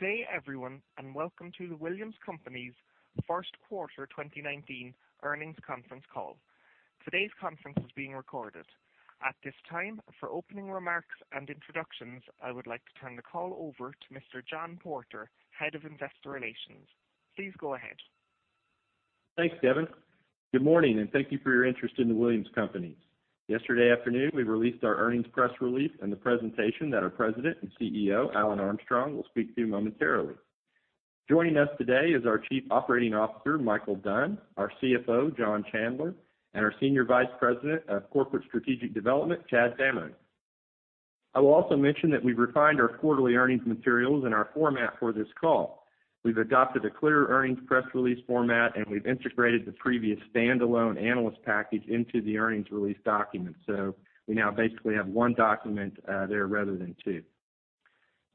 Good day everyone, welcome to The Williams Companies first quarter 2019 earnings conference call. Today's conference is being recorded. At this time, for opening remarks and introductions, I would like to turn the call over to Mr. John Porter, Head of Investor Relations. Please go ahead. Thanks, Devin. Good morning, thank you for your interest in The Williams Companies. Yesterday afternoon, we released our earnings press release and the presentation that our President and CEO, Alan Armstrong, will speak to momentarily. Joining us today is our Chief Operating Officer, Micheal Dunn, our CFO, John Chandler, and our Senior Vice President of Corporate Strategic Development, Chad Zamarin. I will also mention that we've refined our quarterly earnings materials and our format for this call. We've adopted a clearer earnings press release format, we've integrated the previous standalone analyst package into the earnings release document. We now basically have one document there rather than two.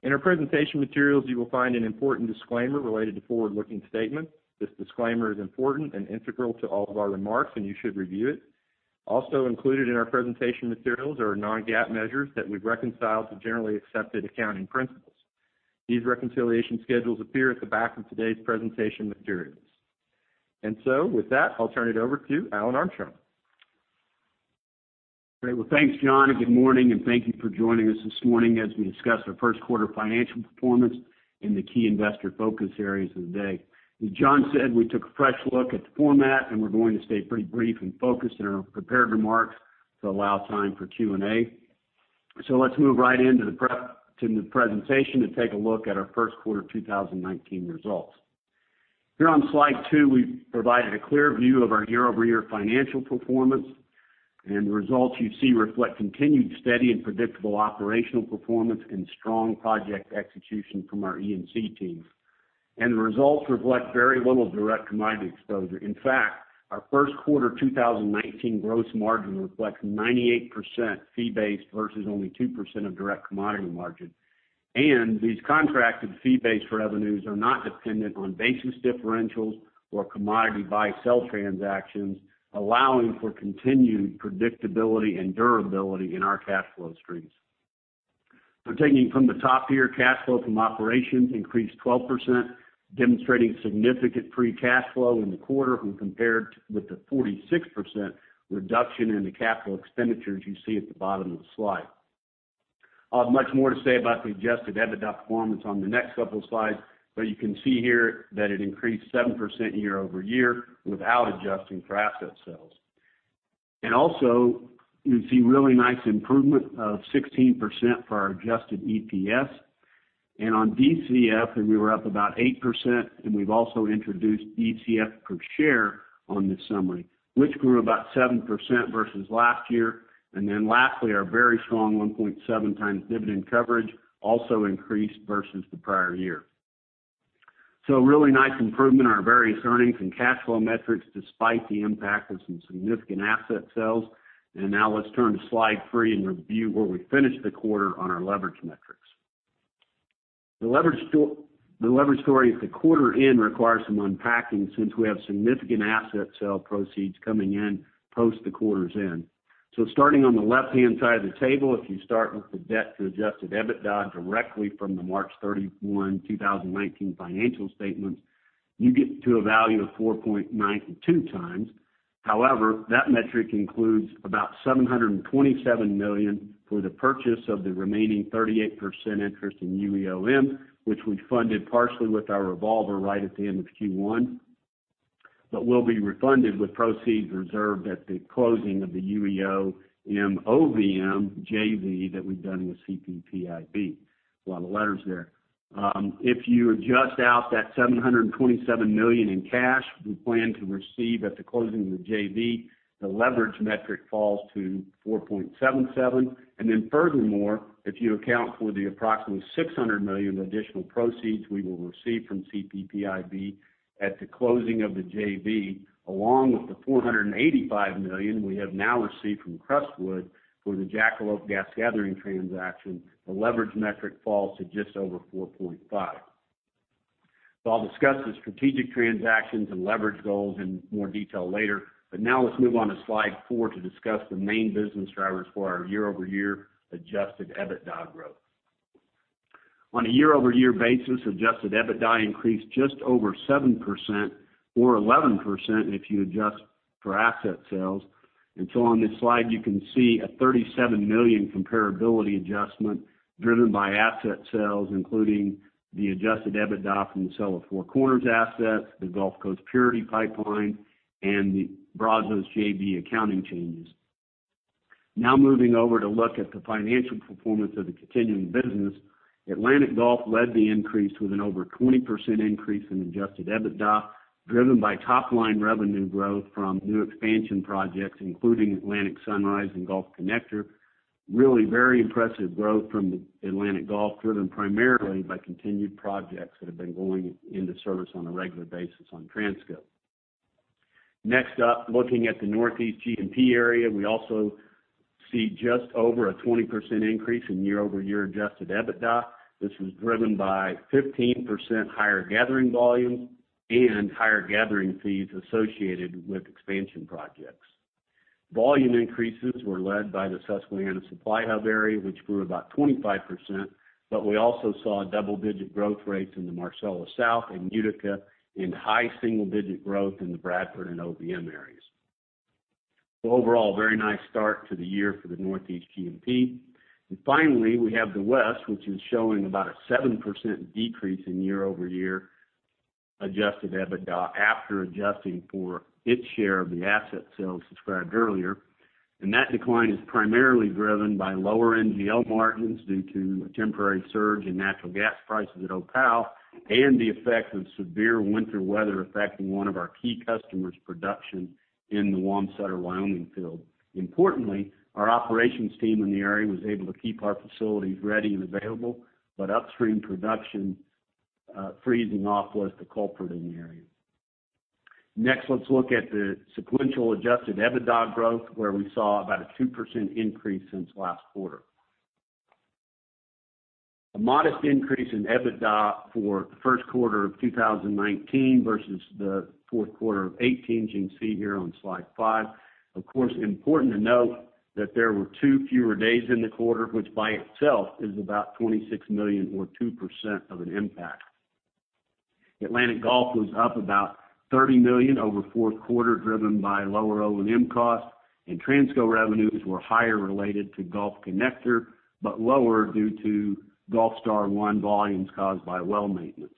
In our presentation materials, you will find an important disclaimer related to forward-looking statements. This disclaimer is important and integral to all of our remarks, you should review it. Also included in our presentation materials are non-GAAP measures that we've reconciled to generally accepted accounting principles. These reconciliation schedules appear at the back of today's presentation materials. With that, I'll turn it over to Alan Armstrong. Great. Thanks, John, good morning, thank you for joining us this morning as we discuss our first quarter financial performance and the key investor focus areas of the day. As John said, we took a fresh look at the format, we're going to stay pretty brief and focused in our prepared remarks to allow time for Q&A. Let's move right into the presentation to take a look at our first quarter 2019 results. Here on slide two, we've provided a clear view of our year-over-year financial performance. The results you see reflect continued steady and predictable operational performance and strong project execution from our E&C teams. The results reflect very little direct commodity exposure. In fact, our first quarter 2019 gross margin reflects 98% fee-based versus only 2% of direct commodity margin. These contracted fee-based revenues are not dependent on basis differentials or commodity buy-sell transactions, allowing for continued predictability and durability in our cash flow streams. Taking it from the top here, cash flow from operations increased 12%, demonstrating significant free cash flow in the quarter when compared with the 46% reduction in the capital expenditures you see at the bottom of the slide. I'll have much more to say about the adjusted EBITDA performance on the next couple of slides, but you can see here that it increased 7% year-over-year without adjusting for asset sales. You can see really nice improvement of 16% for our adjusted EPS. On DCF, we were up about 8%, and we've also introduced DCF per share on this summary, which grew about 7% versus last year. Lastly, our very strong 1.7 times dividend coverage also increased versus the prior year. Really nice improvement on our various earnings and cash flow metrics despite the impact of some significant asset sales. Let's turn to slide three and review where we finished the quarter on our leverage metrics. The leverage story at the quarter end requires some unpacking since we have significant asset sale proceeds coming in post the quarter's end. Starting on the left-hand side of the table, if you start with the debt to adjusted EBITDA directly from the March 31, 2019 financial statements, you get to a value of 4.92 times. However, that metric includes about $727 million for the purchase of the remaining 38% interest in UEOM, which we funded partially with our revolver right at the end of Q1, but will be refunded with proceeds reserved at the closing of the UEO-M OVM JV that we've done with CPPIB. A lot of letters there. If you adjust out that $727 million in cash we plan to receive at the closing of the JV, the leverage metric falls to 4.77. Furthermore, if you account for the approximately $600 million in additional proceeds we will receive from CPPIB at the closing of the JV, along with the $485 million we have now received from Crestwood for the Jackalope gas gathering transaction, the leverage metric falls to just over 4.5. I'll discuss the strategic transactions and leverage goals in more detail later. Let's move on to slide four to discuss the main business drivers for our year-over-year adjusted EBITDA growth. On a year-over-year basis, adjusted EBITDA increased just over 7%, or 11% if you adjust for asset sales. On this slide, you can see a $37 million comparability adjustment driven by asset sales, including the adjusted EBITDA from the sale of Four Corners assets, the Gulf Coast Purity pipeline, and the Brazos JV accounting changes. Moving over to look at the financial performance of the continuing business. Atlantic Gulf led the increase with an over 20% increase in adjusted EBITDA, driven by top-line revenue growth from new expansion projects, including Atlantic Sunrise and Gulf Connector. Really very impressive growth from Atlantic Gulf, driven primarily by continued projects that have been going into service on a regular basis on Transco. Next up, looking at the Northeast G&P area, we also see just over a 20% increase in year-over-year adjusted EBITDA. This was driven by 15% higher gathering volumes and higher gathering fees associated with expansion projects. Volume increases were led by the Susquehanna supply hub area, which grew about 25%, but we also saw double-digit growth rates in the Marcellus South and Utica, and high single-digit growth in the Bradford and OBM areas. Overall, a very nice start to the year for the Northeast G&P. Finally, we have the West, which is showing about a 7% decrease in year-over-year adjusted EBITDA after adjusting for its share of the asset sales described earlier. That decline is primarily driven by lower NGL margins due to a temporary surge in natural gas prices at Opal and the effects of severe winter weather affecting one of our key customers' production in the Wamsutter, Wyoming field. Importantly, our operations team in the area was able to keep our facilities ready and available, but upstream production freezing off was the culprit in the area. Next, let's look at the sequential adjusted EBITDA growth, where we saw about a 2% increase since last quarter. A modest increase in EBITDA for the first quarter of 2019 versus the fourth quarter of 2018. You can see here on slide five. Of course, important to note that there were two fewer days in the quarter, which by itself is about $26 million or 2% of an impact. Atlantic-Gulf was up about $30 million over fourth quarter, driven by lower O&M costs, and Transco revenues were higher related to Gulf Connector, but lower due to Gulfstar One volumes caused by well maintenance.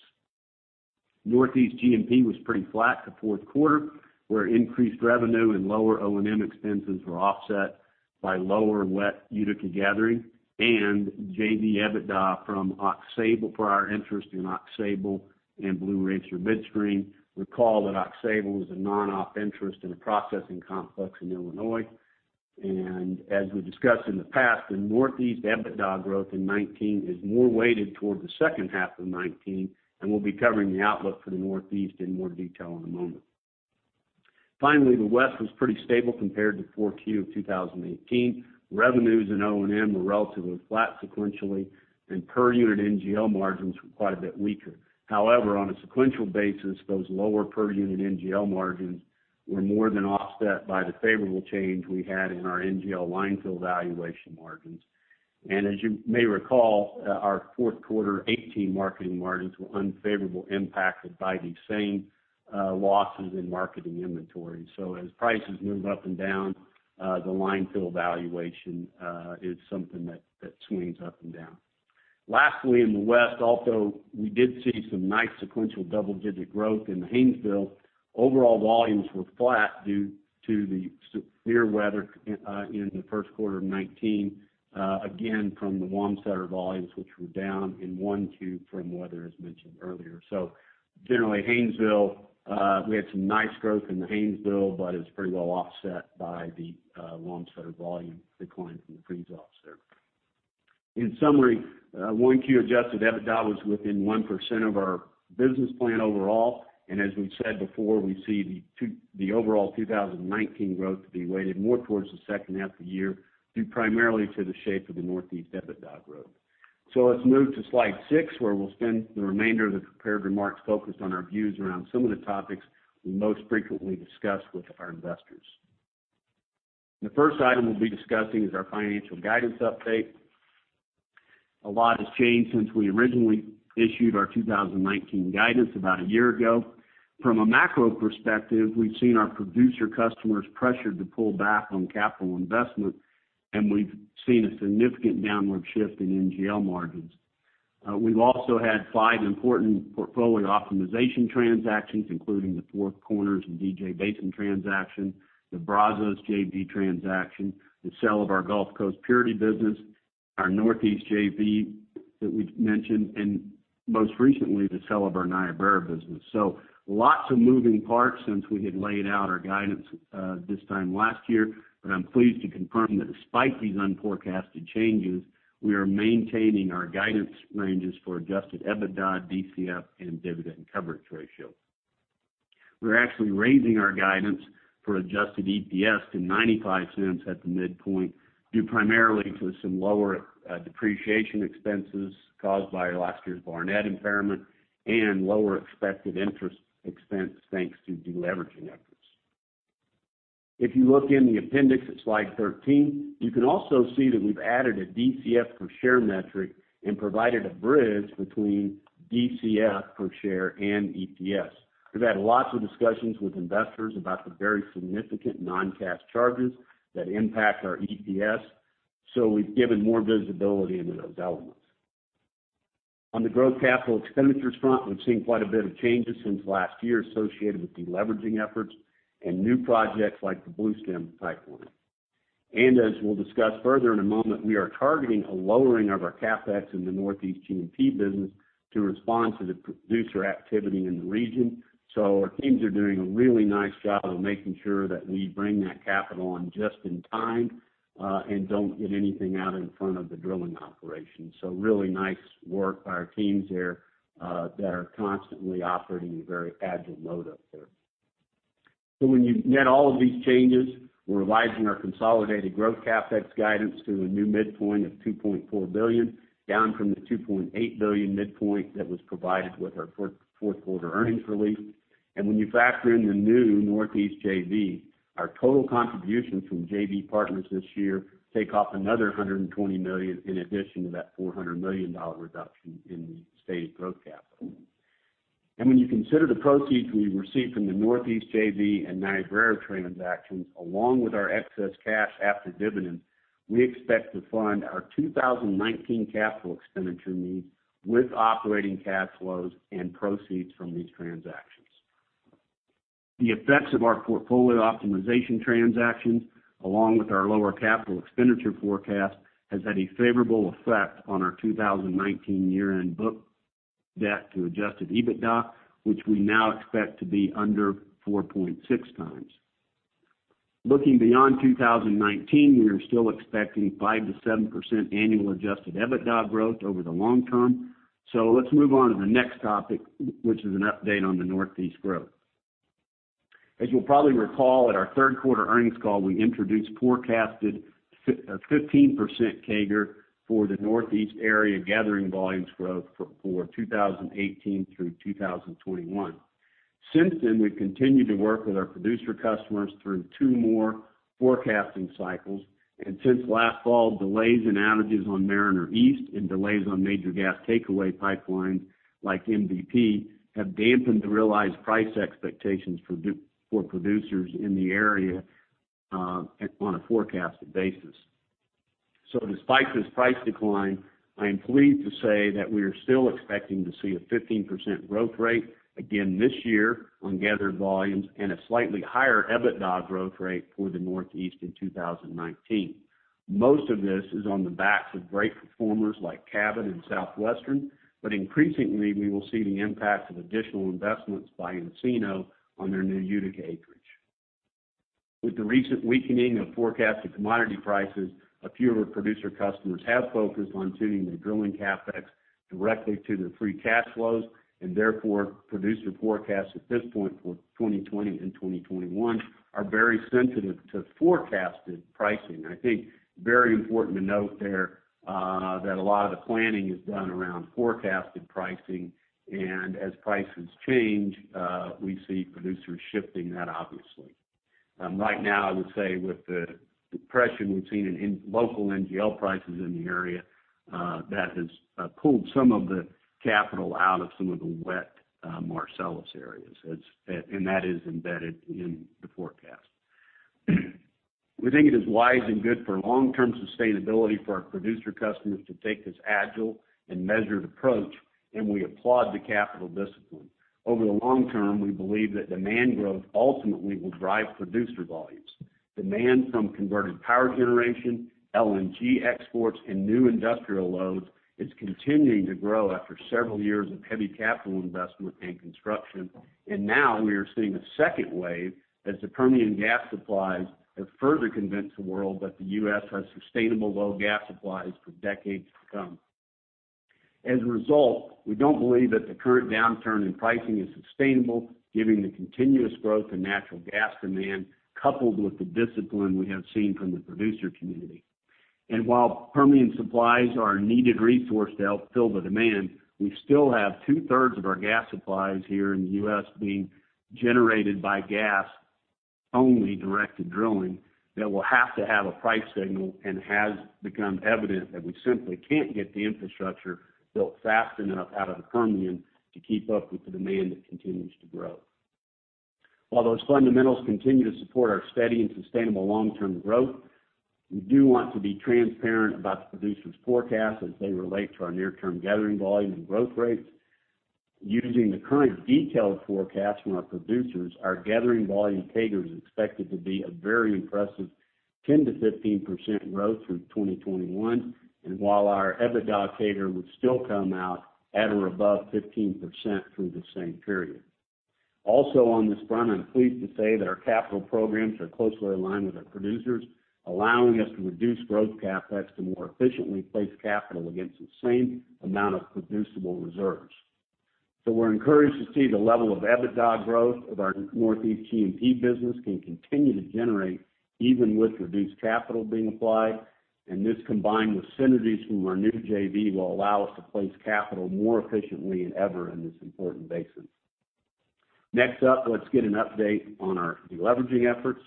Northeast G&P was pretty flat to fourth quarter, where increased revenue and lower O&M expenses were offset by lower wet Utica gathering and JV EBITDA from Aux Sable for our interest in Aux Sable and Blue Racer Midstream. Recall that Aux Sable was a non-op interest in a processing complex in Illinois. As we've discussed in the past, the Northeast EBITDA growth in 2019 is more weighted toward the second half of 2019, and we'll be covering the outlook for the Northeast in more detail in a moment. Finally, the West was pretty stable compared to 4Q of 2018. Revenues and O&M were relatively flat sequentially, and per-unit NGL margins were quite a bit weaker. However, on a sequential basis, those lower per-unit NGL margins were more than offset by the favorable change we had in our NGL line fill valuation margins. As you may recall, our fourth quarter 2018 marketing margins were unfavorably impacted by these same losses in marketing inventory. As prices move up and down, the line fill valuation is something that swings up and down. Lastly, in the West, although we did see some nice sequential double-digit growth in Haynesville, overall volumes were flat due to the severe weather in the first quarter of 2019, again from the Wamsutter volumes, which were down in 1Q from weather, as mentioned earlier. Generally, we had some nice growth in the Haynesville, but it was pretty well offset by the Wamsutter volume decline from the freeze-offs there. In summary, 1Q adjusted EBITDA was within 1% of our business plan overall. As we've said before, we see the overall 2019 growth to be weighted more towards the second half of the year, due primarily to the shape of the Northeast EBITDA growth. Let's move to slide six, where we'll spend the remainder of the prepared remarks focused on our views around some of the topics we most frequently discuss with our investors. The first item we'll be discussing is our financial guidance update. A lot has changed since we originally issued our 2019 guidance about a year ago. From a macro perspective, we've seen our producer customers pressured to pull back on capital investment, and we've seen a significant downward shift in NGL margins. We've also had five important portfolio optimization transactions, including the Four Corners and DJ Basin transaction, the Brazos JV transaction, the sale of our Gulf Coast Olefins business, our Northeast JV that we've mentioned, and most recently, the sale of our Niobrara business. Lots of moving parts since we had laid out our guidance this time last year. I'm pleased to confirm that despite these unforecasted changes, we are maintaining our guidance ranges for adjusted EBITDA, DCF, and dividend coverage ratio. We're actually raising our guidance for adjusted EPS to $0.95 at the midpoint, due primarily to some lower depreciation expenses caused by last year's Barnett impairment and lower expected interest expense thanks to deleveraging efforts. If you look in the appendix at slide 13, you can also see that we've added a DCF per share metric and provided a bridge between DCF per share and EPS. We've had lots of discussions with investors about the very significant non-cash charges that impact our EPS, so we've given more visibility into those elements. On the growth capital expenditures front, we've seen quite a bit of changes since last year associated with deleveraging efforts and new projects like the Bluestem Pipeline. As we'll discuss further in a moment, we are targeting a lowering of our CapEx in the Northeast G&P business to respond to the producer activity in the region. Our teams are doing a really nice job of making sure that we bring that capital in just in time and don't get anything out in front of the drilling operations. Really nice work by our teams there that are constantly operating a very agile mode up there. When you net all of these changes, we're revising our consolidated growth CapEx guidance to a new midpoint of $2.4 billion, down from the $2.8 billion midpoint that was provided with our fourth quarter earnings release. When you factor in the new Northeast JV, our total contributions from JV partners this year take off another $120 million in addition to that $400 million reduction in the stated growth capital. When you consider the proceeds we received from the Northeast JV and Niobrara transactions, along with our excess cash after dividend, we expect to fund our 2019 capital expenditure needs with operating cash flows and proceeds from these transactions. The effects of our portfolio optimization transactions, along with our lower capital expenditure forecast, has had a favorable effect on our 2019 year-end book debt to adjusted EBITDA, which we now expect to be under 4.6 times. Looking beyond 2019, we are still expecting 5%-7% annual adjusted EBITDA growth over the long term. Let's move on to the next topic, which is an update on the Northeast growth. As you'll probably recall at our third quarter earnings call, we introduced forecasted 15% CAGR for the Northeast area gathering volumes growth for 2018 through 2021. Since then, we've continued to work with our producer customers through two more forecasting cycles. Since last fall, delays in outages on Mariner East and delays on major gas takeaway pipelines like MVP have dampened the realized price expectations for producers in the area on a forecasted basis. Despite this price decline, I am pleased to say that we are still expecting to see a 15% growth rate again this year on gathered volumes and a slightly higher EBITDA growth rate for the Northeast in 2019. Most of this is on the backs of great performers like Cabot and Southwestern, but increasingly we will see the impact of additional investments by Encino on their new Utica acreage. With the recent weakening of forecasted commodity prices, a few of our producer customers have focused on tuning their drilling CapEx directly to their free cash flows. Therefore producer forecasts at this point for 2020 and 2021 are very sensitive to forecasted pricing. I think very important to note there, that a lot of the planning is done around forecasted pricing. As prices change, we see producers shifting that, obviously. Right now, I would say with the depression we've seen in local NGL prices in the area, that has pulled some of the capital out of some of the wet Marcellus areas. That is embedded in the forecast. We think it is wise and good for long-term sustainability for our producer customers to take this agile and measured approach, and we applaud the capital discipline. Over the long term, we believe that demand growth ultimately will drive producer volumes. Demand from converted power generation, LNG exports, and new industrial loads is continuing to grow after several years of heavy capital investment and construction. Now we are seeing a second wave as the Permian gas supplies have further convinced the world that the U.S. has sustainable low gas supplies for decades to come. As a result, we don't believe that the current downturn in pricing is sustainable given the continuous growth in natural gas demand, coupled with the discipline we have seen from the producer community. While Permian supplies are a needed resource to help fill the demand, we still have two-thirds of our gas supplies here in the U.S. being generated by gas-only directed drilling that will have to have a price signal and has become evident that we simply can't get the infrastructure built fast enough out of the Permian to keep up with the demand that continues to grow. While those fundamentals continue to support our steady and sustainable long-term growth, we do want to be transparent about the producers' forecasts as they relate to our near-term gathering volumes and growth rates. Using the current detailed forecast from our producers, our gathering volume CAGR is expected to be a very impressive 10%-15% growth through 2021, and while our EBITDA CAGR would still come out at or above 15% through the same period. Also on this front, I'm pleased to say that our capital programs are closely aligned with our producers, allowing us to reduce growth CapEx to more efficiently place capital against the same amount of producible reserves. We're encouraged to see the level of EBITDA growth of our Northeast G&P business can continue to generate even with reduced capital being applied, and this combined with synergies from our new JV will allow us to place capital more efficiently than ever in this important basin. Next up, let's get an update on our deleveraging efforts.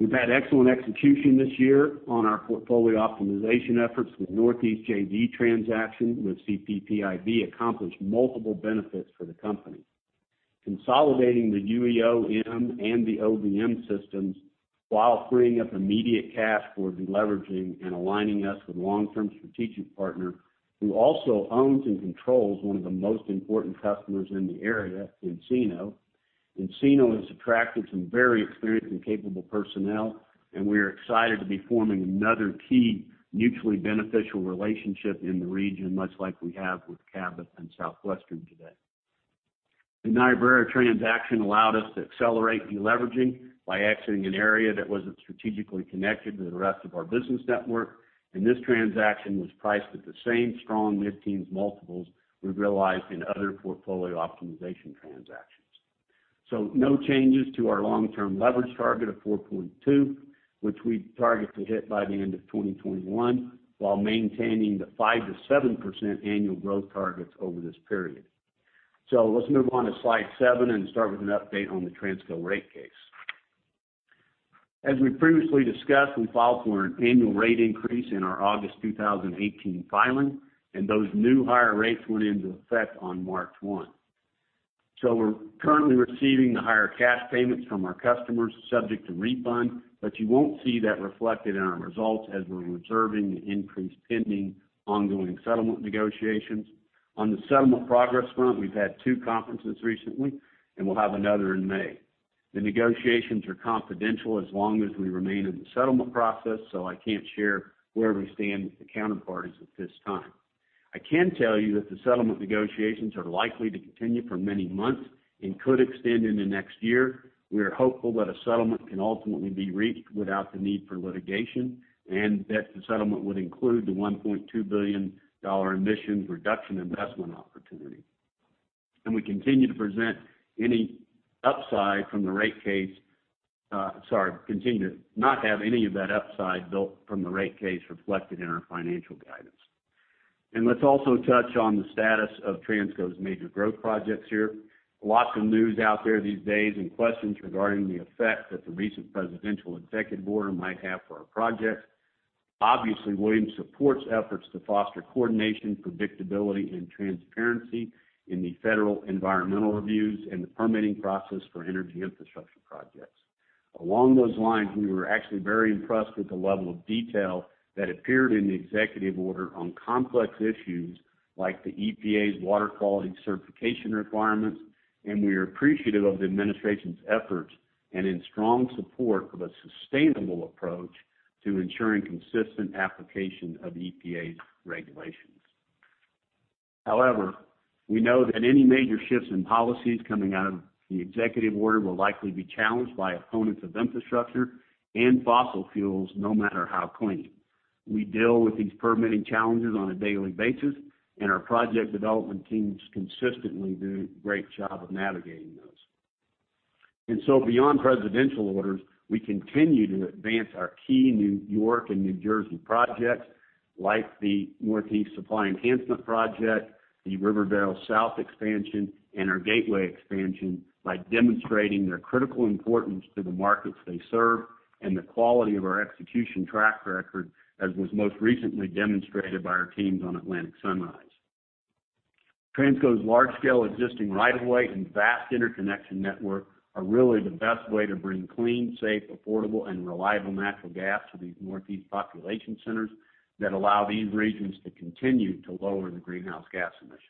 We've had excellent execution this year on our portfolio optimization efforts with Northeast JV transaction with CPPIB accomplished multiple benefits for the company. Consolidating the UEOM and the OBM systems while freeing up immediate cash for deleveraging and aligning us with a long-term strategic partner who also owns and controls one of the most important customers in the area, Encino. Encino has attracted some very experienced and capable personnel, and we are excited to be forming another key mutually beneficial relationship in the region, much like we have with Cabot and Southwestern today. The Niobrara transaction allowed us to accelerate deleveraging by exiting an area that wasn't strategically connected to the rest of our business network, and this transaction was priced at the same strong mid-teens multiples we've realized in other portfolio optimization transactions. No changes to our long-term leverage target of 4.2, which we target to hit by the end of 2021, while maintaining the 5%-7% annual growth targets over this period. Let's move on to slide seven and start with an update on the Transco rate case. As we previously discussed, we filed for an annual rate increase in our August 2018 filing, and those new higher rates went into effect on March 1. We're currently receiving the higher cash payments from our customers subject to refund, but you won't see that reflected in our results as we're reserving the increase pending ongoing settlement negotiations. On the settlement progress front, we've had two conferences recently, and we'll have another in May. The negotiations are confidential as long as we remain in the settlement process, so I can't share where we stand with the counterparties at this time. I can tell you that the settlement negotiations are likely to continue for many months and could extend into next year. We are hopeful that a settlement can ultimately be reached without the need for litigation, and that the settlement would include the $1.2 billion emissions reduction investment opportunity. We continue to present any upside from the rate case-- sorry, continue to not have any of that upside built from the rate case reflected in our financial guidance. Let's also touch on the status of Transco's major growth projects here. Lots of news out there these days and questions regarding the effect that the recent presidential executive order might have for our projects. Williams supports efforts to foster coordination, predictability, and transparency in the federal environmental reviews and the permitting process for energy infrastructure projects. Along those lines, we were actually very impressed with the level of detail that appeared in the executive order on complex issues like the EPA's water quality certification requirements, and we are appreciative of the administration's efforts and in strong support of a sustainable approach to ensuring consistent application of EPA's regulations. We know that any major shifts in policies coming out of the executive order will likely be challenged by opponents of infrastructure and fossil fuels, no matter how clean. We deal with these permitting challenges on a daily basis, our project development teams consistently do a great job of navigating those. Beyond presidential orders, we continue to advance our key New York and New Jersey projects, like the Northeast Supply Enhancement project, the Rivervale South to Market expansion, and our Gateway expansion by demonstrating their critical importance to the markets they serve and the quality of our execution track record, as was most recently demonstrated by our teams on Atlantic Sunrise. Transco's large-scale existing right-of-way and vast interconnection network are really the best way to bring clean, safe, affordable, and reliable natural gas to these Northeast population centers that allow these regions to continue to lower their greenhouse gas emissions.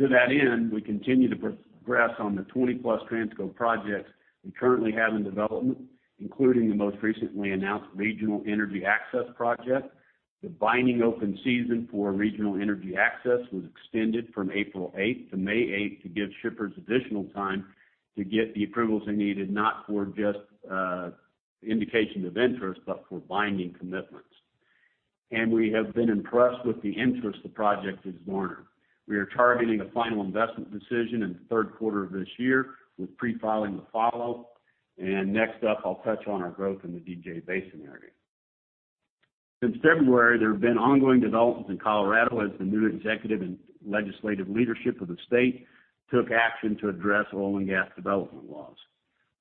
To that end, we continue to progress on the 20-plus Transco projects we currently have in development, including the most recently announced Regional Energy Access project. The binding open season for Regional Energy Access was extended from April eighth to May eighth to give shippers additional time to get the approvals they needed, not for just indication of interest, but for binding commitments. We have been impressed with the interest the project has garnered. We are targeting a Final Investment Decision in the third quarter of this year, with pre-filing to follow. Next up, I'll touch on our growth in the DJ Basin area. Since February, there have been ongoing developments in Colorado as the new executive and legislative leadership of the state took action to address oil and gas development laws.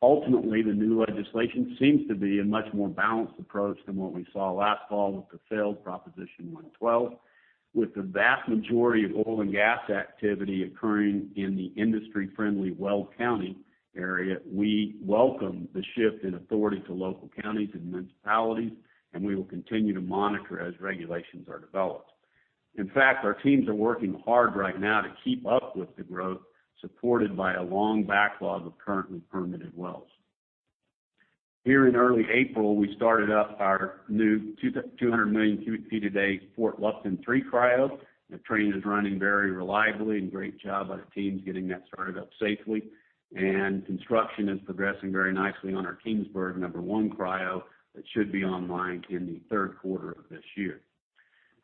Ultimately, the new legislation seems to be a much more balanced approach than what we saw last fall with the failed Proposition 112. With the vast majority of oil and gas activity occurring in the industry-friendly Weld County area, we welcome the shift in authority to local counties and municipalities, we will continue to monitor as regulations are developed. In fact, our teams are working hard right now to keep up with the growth supported by a long backlog of currently permitted wells. Here in early April, we started up our new 200 million cubic feet a day Fort Lupton 3 cryo. The train is running very reliably, great job by the teams getting that started up safely. Construction is progressing very nicely on our Keenesburg number 1 cryo that should be online in the third quarter of this year.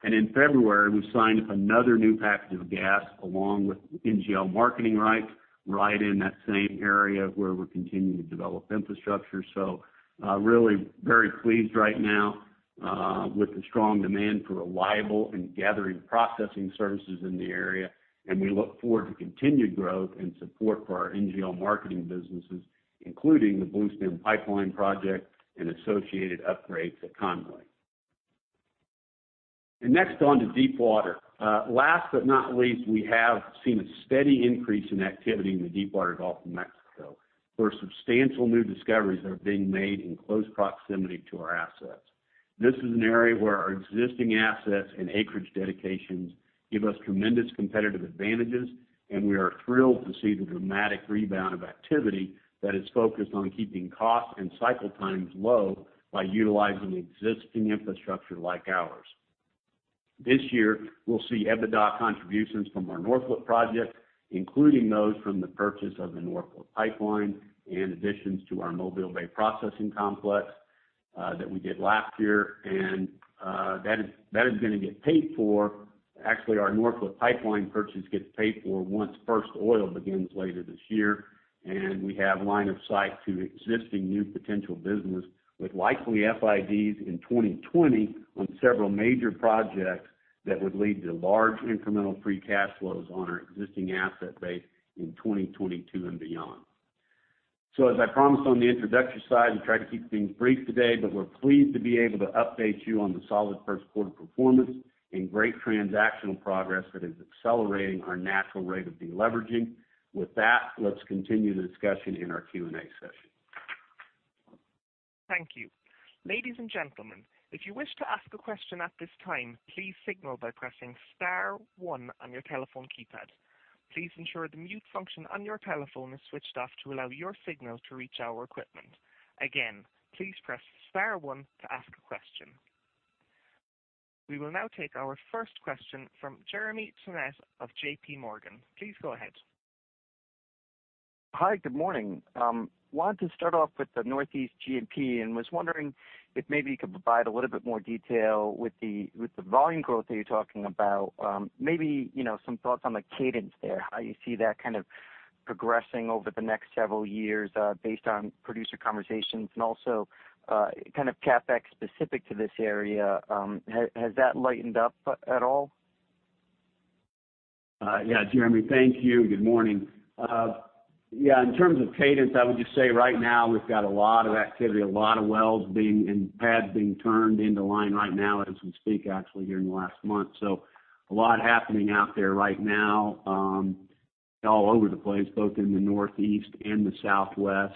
In February, we signed another new package of gas along with NGL marketing rights right in that same area where we're continuing to develop infrastructure. Really very pleased right now with the strong demand for reliable and gathering processing services in the area, and we look forward to continued growth and support for our NGL marketing businesses, including the Bluestem Pipeline project and associated upgrades at Conway. Next on to deepwater. Last but not least, we have seen a steady increase in activity in the deepwater Gulf of Mexico, where substantial new discoveries are being made in close proximity to our assets. This is an area where our existing assets and acreage dedications give us tremendous competitive advantages, and we are thrilled to see the dramatic rebound of activity that is focused on keeping costs and cycle times low by utilizing existing infrastructure like ours. This year, we'll see EBITDA contributions from our Norphlet project, including those from the purchase of the Norphlet pipeline and additions to our Mobile Bay processing complex that we did last year, and that is going to get paid for. Actually, our Norphlet pipeline purchase gets paid for once first oil begins later this year, and we have line of sight to existing new potential business with likely FIDs in 2020 on several major projects that would lead to large incremental free cash flows on our existing asset base in 2022 and beyond. As I promised on the introductory side, we try to keep things brief today, but we're pleased to be able to update you on the solid first quarter performance and great transactional progress that is accelerating our natural rate of de-leveraging. With that, let's continue the discussion in our Q&A session. Thank you. Ladies and gentlemen, if you wish to ask a question at this time, please signal by pressing star 1 on your telephone keypad. Please ensure the mute function on your telephone is switched off to allow your signal to reach our equipment. Again, please press star 1 to ask a question. We will now take our first question from Jeremy Tonet of J.P. Morgan. Please go ahead. Hi, good morning. I wanted to start off with the Northeast G&P and was wondering if maybe you could provide a little bit more detail with the volume growth that you're talking about. Maybe some thoughts on the cadence there, how you see that kind of progressing over the next several years based on producer conversations and also kind of CapEx specific to this area. Has that lightened up at all? Jeremy, thank you. Good morning. In terms of cadence, I would just say right now we've got a lot of activity, a lot of wells being, and pads being turned into line right now as we speak, actually here in the last month. A lot happening out there right now all over the place, both in the Northeast and the Southwest.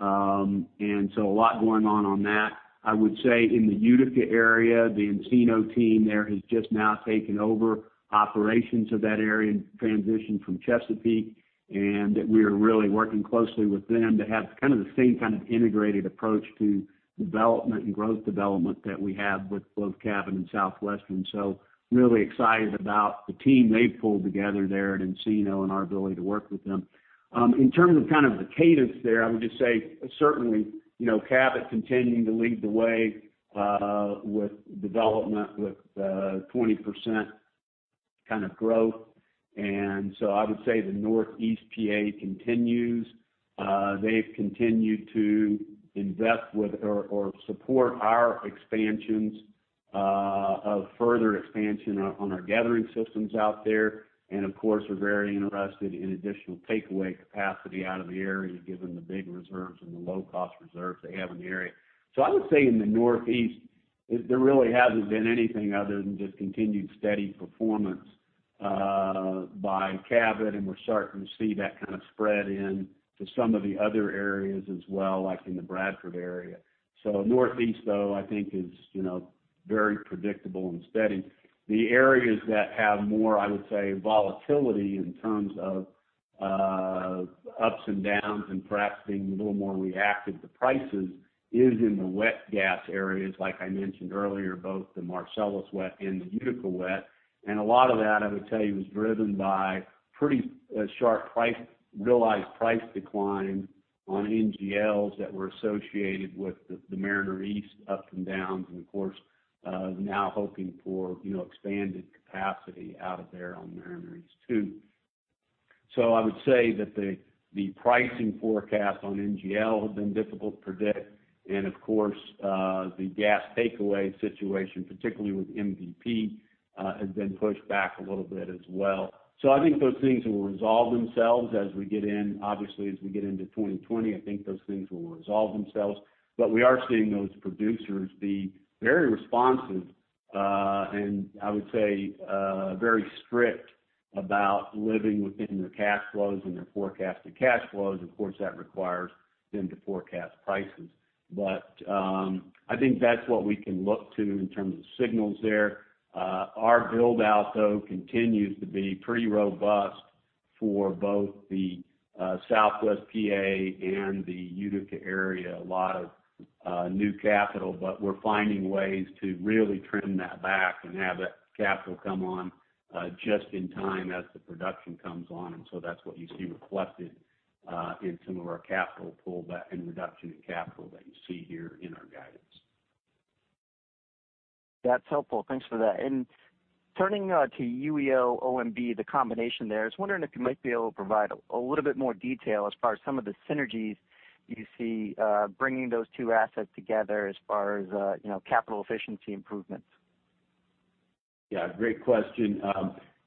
A lot going on on that. I would say in the Utica area, the Encino team there has just now taken over operations of that area in transition from Chesapeake, and we are really working closely with them to have kind of the same kind of integrated approach to development and growth development that we have with both Cabot and Southwestern. Really excited about the team they've pulled together there at Encino and our ability to work with them. In terms of kind of the cadence there, I would just say, certainly, Cabot continuing to lead the way with development with 20% kind of growth. I would say the Northeast PA continues. They've continued to invest with or support our expansions of further expansion on our gathering systems out there. Of course, we're very interested in additional takeaway capacity out of the area given the big reserves and the low-cost reserves they have in the area. I would say in the Northeast, there really hasn't been anything other than just continued steady performance by Cabot, and we're starting to see that kind of spread into some of the other areas as well, like in the Bradford area. Northeast, though, I think is very predictable and steady. The areas that have more, I would say, volatility in terms of ups and downs and perhaps being a little more reactive to prices is in the wet gas areas, like I mentioned earlier, both the Marcellus wet and the Utica wet. A lot of that, I would tell you, is driven by pretty sharp realized price decline on NGLs that were associated with the Mariner East up and downs. Of course, now hoping for expanded capacity out of there on Mariner East 2. I would say that the pricing forecast on NGL has been difficult to predict. Of course, the gas takeaway situation, particularly with MVP, has been pushed back a little bit as well. I think those things will resolve themselves as we get in. Obviously, as we get into 2020, I think those things will resolve themselves. We are seeing those producers be very responsive. I would say very strict about living within their cash flows and their forecasted cash flows. Of course, that requires them to forecast prices. I think that's what we can look to in terms of signals there. Our build-out, though, continues to be pretty robust for both the Southwest PA and the Utica area. A lot of new capital, but we're finding ways to really trim that back and have that capital come on just in time as the production comes on. That's what you see reflected in some of our capital pull back and reduction in capital that you see here in our guidance. That's helpful. Thanks for that. Turning to UEO, OVM, the combination there. I was wondering if you might be able to provide a little bit more detail as far as some of the synergies you see bringing those two assets together as far as capital efficiency improvements. Great question.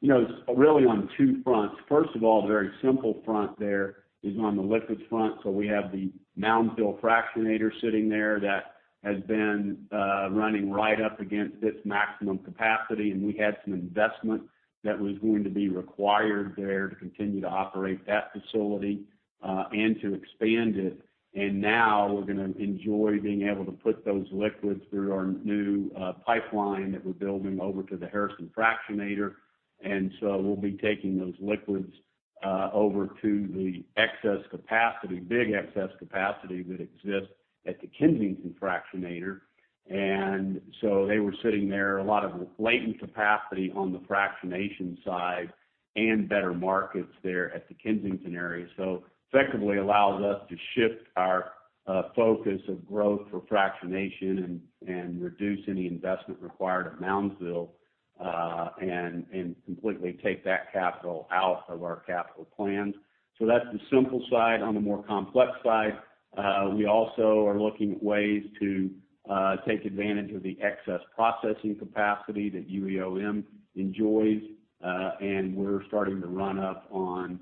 Really on two fronts. First of all, very simple front there is on the liquids front. We have the Moundsville fractionator sitting there that has been running right up against its maximum capacity, and we had some investment that was going to be required there to continue to operate that facility and to expand it. Now we're going to enjoy being able to put those liquids through our new pipeline that we're building over to the Harrison fractionator. We'll be taking those liquids over to the excess capacity, big excess capacity that exists at the Kensington fractionator. They were sitting there, a lot of latent capacity on the fractionation side and better markets there at the Kensington area. Effectively allows us to shift our focus of growth for fractionation and reduce any investment required at Moundsville, and completely take that capital out of our capital plans. That's the simple side. On the more complex side, we also are looking at ways to take advantage of the excess processing capacity that UEOM enjoys. We're starting to run up on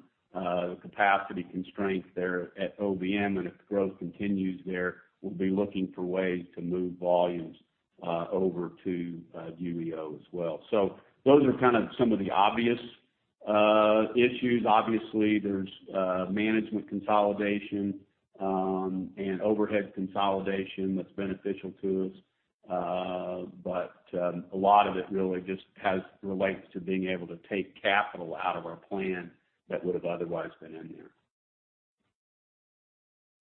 capacity constraints there at OVM, and if growth continues there, we'll be looking for ways to move volumes over to UEO as well. Those are kind of some of the obvious issues. Obviously, there's management consolidation and overhead consolidation that's beneficial to us. A lot of it really just relates to being able to take capital out of our plan that would've otherwise been in there.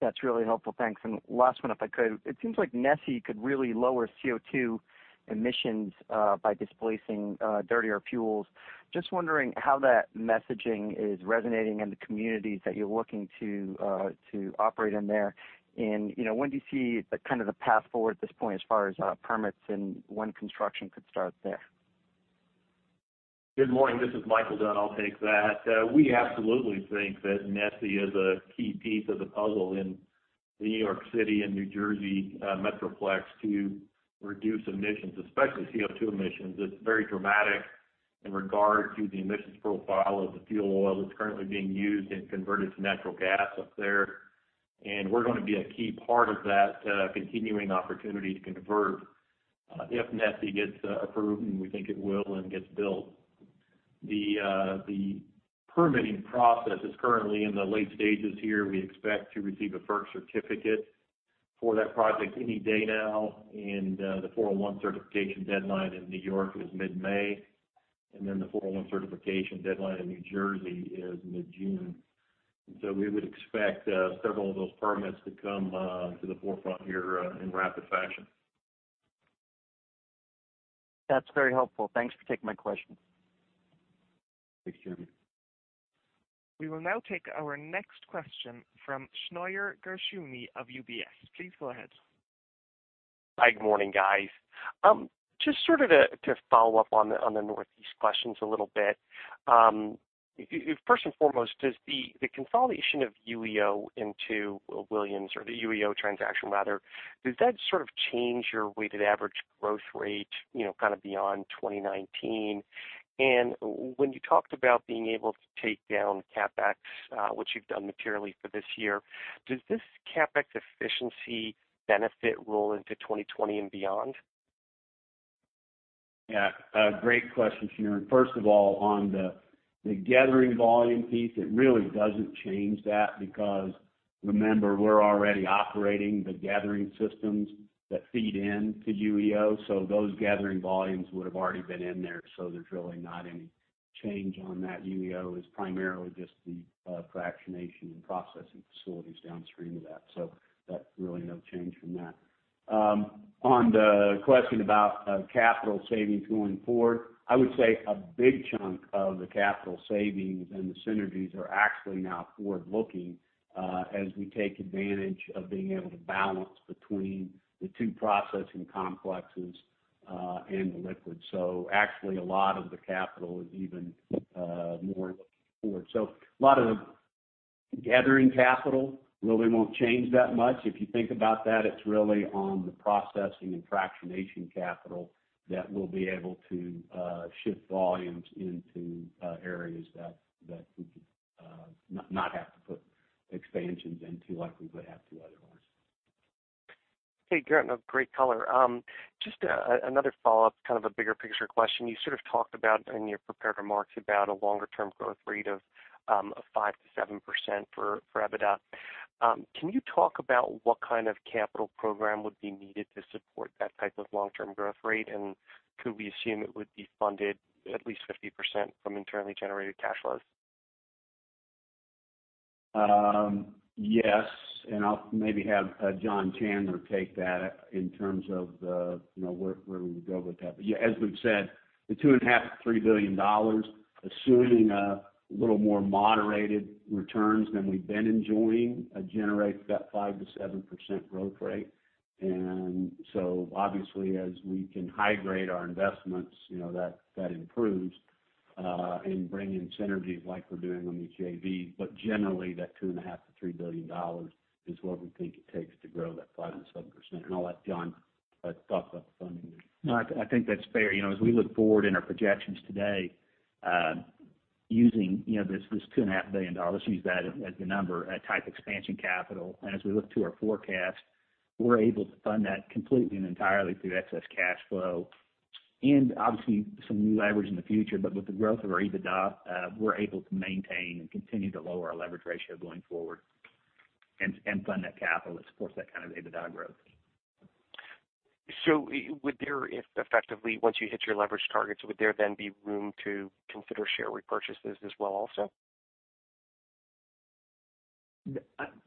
That's really helpful. Thanks. Last one, if I could. It seems like NESI could really lower CO2 emissions by displacing dirtier fuels. Just wondering how that messaging is resonating in the communities that you're looking to operate in there. When do you see kind of the path forward at this point as far as permits and when construction could start there? Good morning, this is Micheal Dunn. I'll take that. We absolutely think that NESI is a key piece of the puzzle in the New York City and New Jersey metroplex to reduce emissions, especially CO2 emissions. It's very dramatic in regard to the emissions profile of the fuel oil that's currently being used and converted to natural gas up there. We're going to be a key part of that continuing opportunity to convert if NESI gets approved, and we think it will and gets built. The permitting process is currently in the late stages here. We expect to receive a FERC certificate for that project any day now. The 401 certification deadline in New York is mid-May, then the 401 certification deadline in New Jersey is mid-June. We would expect several of those permits to come to the forefront here in rapid fashion. That's very helpful. Thanks for taking my question. Thanks, Jeremy. We will now take our next question from Shneur Gershuni of UBS. Please go ahead. Hi. Good morning, guys. Just sort of to follow up on the Northeast questions a little bit. First and foremost, does the consolidation of UEO into Williams, or the UEO transaction rather, does that sort of change your weighted average growth rate kind of beyond 2019? When you talked about being able to take down CapEx, which you've done materially for this year, does this CapEx efficiency benefit roll into 2020 and beyond? Yeah. Great question, Shneur. First of all, on the gathering volume piece, it really doesn't change that because remember, we're already operating the gathering systems that feed in to UEO, so those gathering volumes would've already been in there, so there's really not any change on that. UEO is primarily just the fractionation and processing facilities downstream of that. That's really no change from that. On the question about capital savings going forward, I would say a big chunk of the capital savings and the synergies are actually now forward-looking, as we take advantage of being able to balance between the two processing complexes, and the liquid. Actually, a lot of the capital is even more looking forward. A lot of the gathering capital really won't change that much. If you think about that, it's really on the processing and fractionation capital that we'll be able to shift volumes into areas that we could not have to put expansions into like we would have to otherwise. Hey, Garrett. No, great color. Just another follow-up, kind of a bigger picture question. You sort of talked about in your prepared remarks about a longer-term growth rate of 5% to 7% for EBITDA. Can you talk about what kind of capital program would be needed to support that type of long-term growth rate, and could we assume it would be funded at least 50% from internally generated cash flows? Yes, I'll maybe have John Chandler take that in terms of where we would go with that. Yeah, as we've said, the $2.5 billion to $3 billion, assuming a little more moderated returns than we've been enjoying, generates that 5%-7% growth rate. So obviously, as we can high grade our investments, that improves, and bring in synergies like we're doing on these JVs. Generally, that $2.5 billion to $3 billion is what we think it takes to grow that 5%-7%. I'll let John talk about the funding there. I think that's fair. As we look forward in our projections today, using this $2.5 billion, let's use that as the number, type expansion capital. As we look to our forecast, we're able to fund that completely and entirely through excess cash flow and obviously some new leverage in the future. With the growth of our EBITDA, we're able to maintain and continue to lower our leverage ratio going forward and fund that capital that supports that kind of EBITDA growth. If effectively, once you hit your leverage targets, would there then be room to consider share repurchases as well also?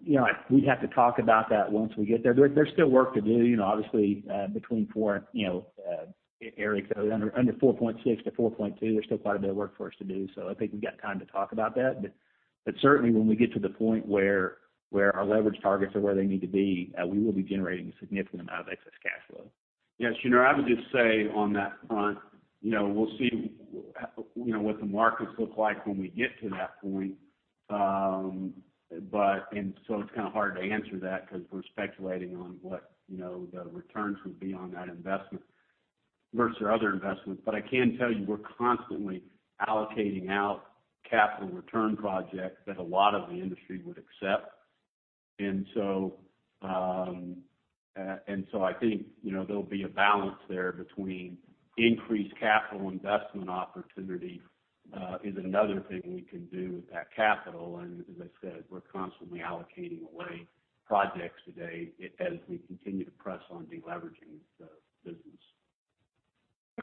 We'd have to talk about that once we get there. There's still work to do. Obviously, Eric, under 4.6-4.2, there's still quite a bit of work for us to do. I think we've got time to talk about that. Certainly when we get to the point where our leverage targets are where they need to be, we will be generating a significant amount of excess cash flow. Yes, Shneur, I would just say on that front, we'll see what the markets look like when we get to that point. It's kind of hard to answer that because we're speculating on what the returns would be on that investment versus our other investments. I can tell you we're constantly allocating our capital return projects that a lot of the industry would accept. So I think there'll be a balance there between increased capital investment opportunity is another thing we can do with that capital. As I said, we're constantly allocating away projects today as we continue to press on de-leveraging the business.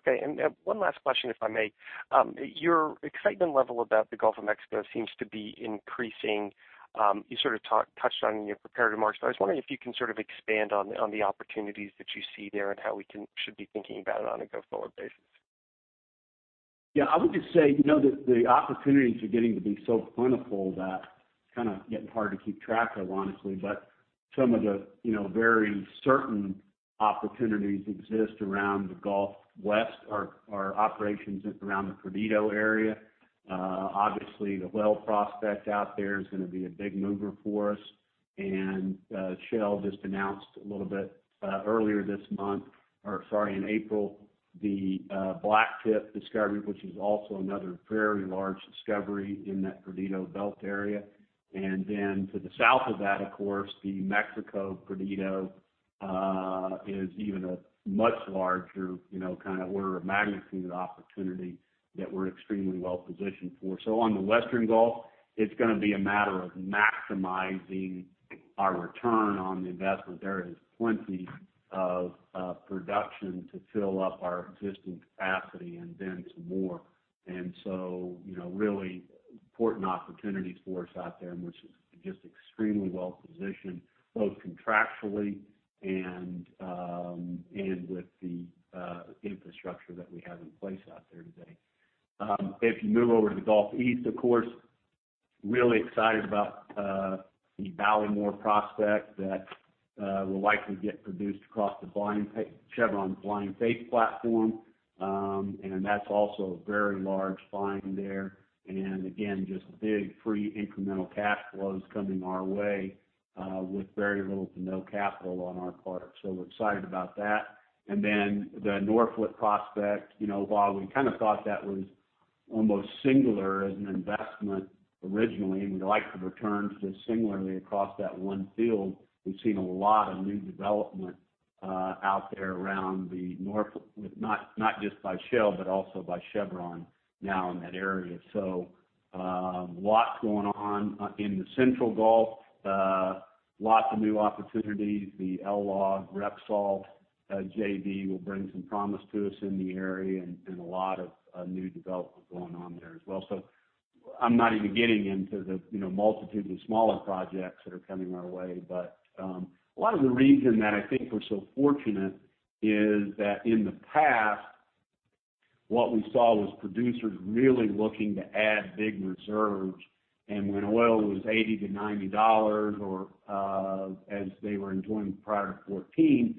Okay. One last question, if I may. Your excitement level about the Gulf of Mexico seems to be increasing. You sort of touched on it in your prepared remarks. I was wondering if you can sort of expand on the opportunities that you see there and how we should be thinking about it on a go-forward basis. Yeah, I would just say, the opportunities are getting to be so plentiful that it's kind of getting hard to keep track of, honestly. Some of the very certain opportunities exist around the Western Gulf or operations around the Perdido area. Obviously, the Whale prospect out there is going to be a big mover for us. Shell just announced a little bit earlier this month, or sorry, in April, the Blacktip discovery, which is also another very large discovery in that Perdido belt area. To the south of that, of course, the Mexico Perdido is even a much larger kind of order of magnitude opportunity that we're extremely well-positioned for. On the Western Gulf, it's going to be a matter of maximizing our return on the investment. There is plenty of production to fill up our existing capacity and then some more. Really important opportunity for us out there, and we're just extremely well-positioned, both contractually and with the infrastructure that we have in place out there today. If you move over to the Eastern Gulf, of course, really excited about the Ballymore prospect that will likely get produced across the Chevron Blind Faith platform. That's also a very large find there. Again, just big, free incremental cash flows coming our way with very little to no capital on our part. We're excited about that. The Norphlet prospect, while we kind of thought that was almost singular as an investment originally, and we like the returns just singularly across that one field, we've seen a lot of new development out there around not just by Shell, but also by Chevron now in that area. Lots going on in the Central Gulf. Lots of new opportunities. The LLOG Repsol JV will bring some promise to us in the area, and a lot of new development going on there as well. I'm not even getting into the multitude of smaller projects that are coming our way. A lot of the reason that I think we're so fortunate is that in the past, what we saw was producers really looking to add big reserves. When oil was $80-$90, or as they were enjoying prior to 2014,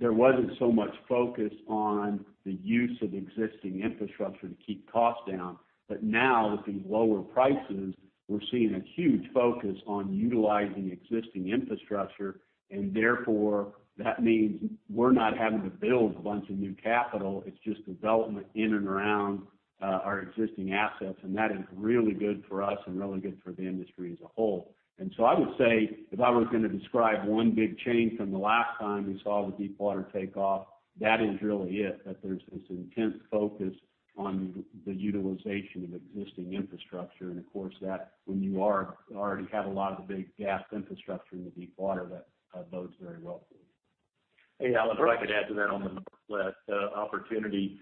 there wasn't so much focus on the use of existing infrastructure to keep costs down. Now with these lower prices, we're seeing a huge focus on utilizing existing infrastructure, and therefore that means we're not having to build a bunch of new capital. It's just development in and around our existing assets. That is really good for us and really good for the industry as a whole. I would say if I was going to describe one big change from the last time we saw the deepwater take off, that is really it, that there's this intense focus on the utilization of existing infrastructure. Of course that when you already have a lot of the big gas infrastructure in the deepwater, that bodes very well for you. Hey, Alan, if I could add to that on the Norphlet opportunity.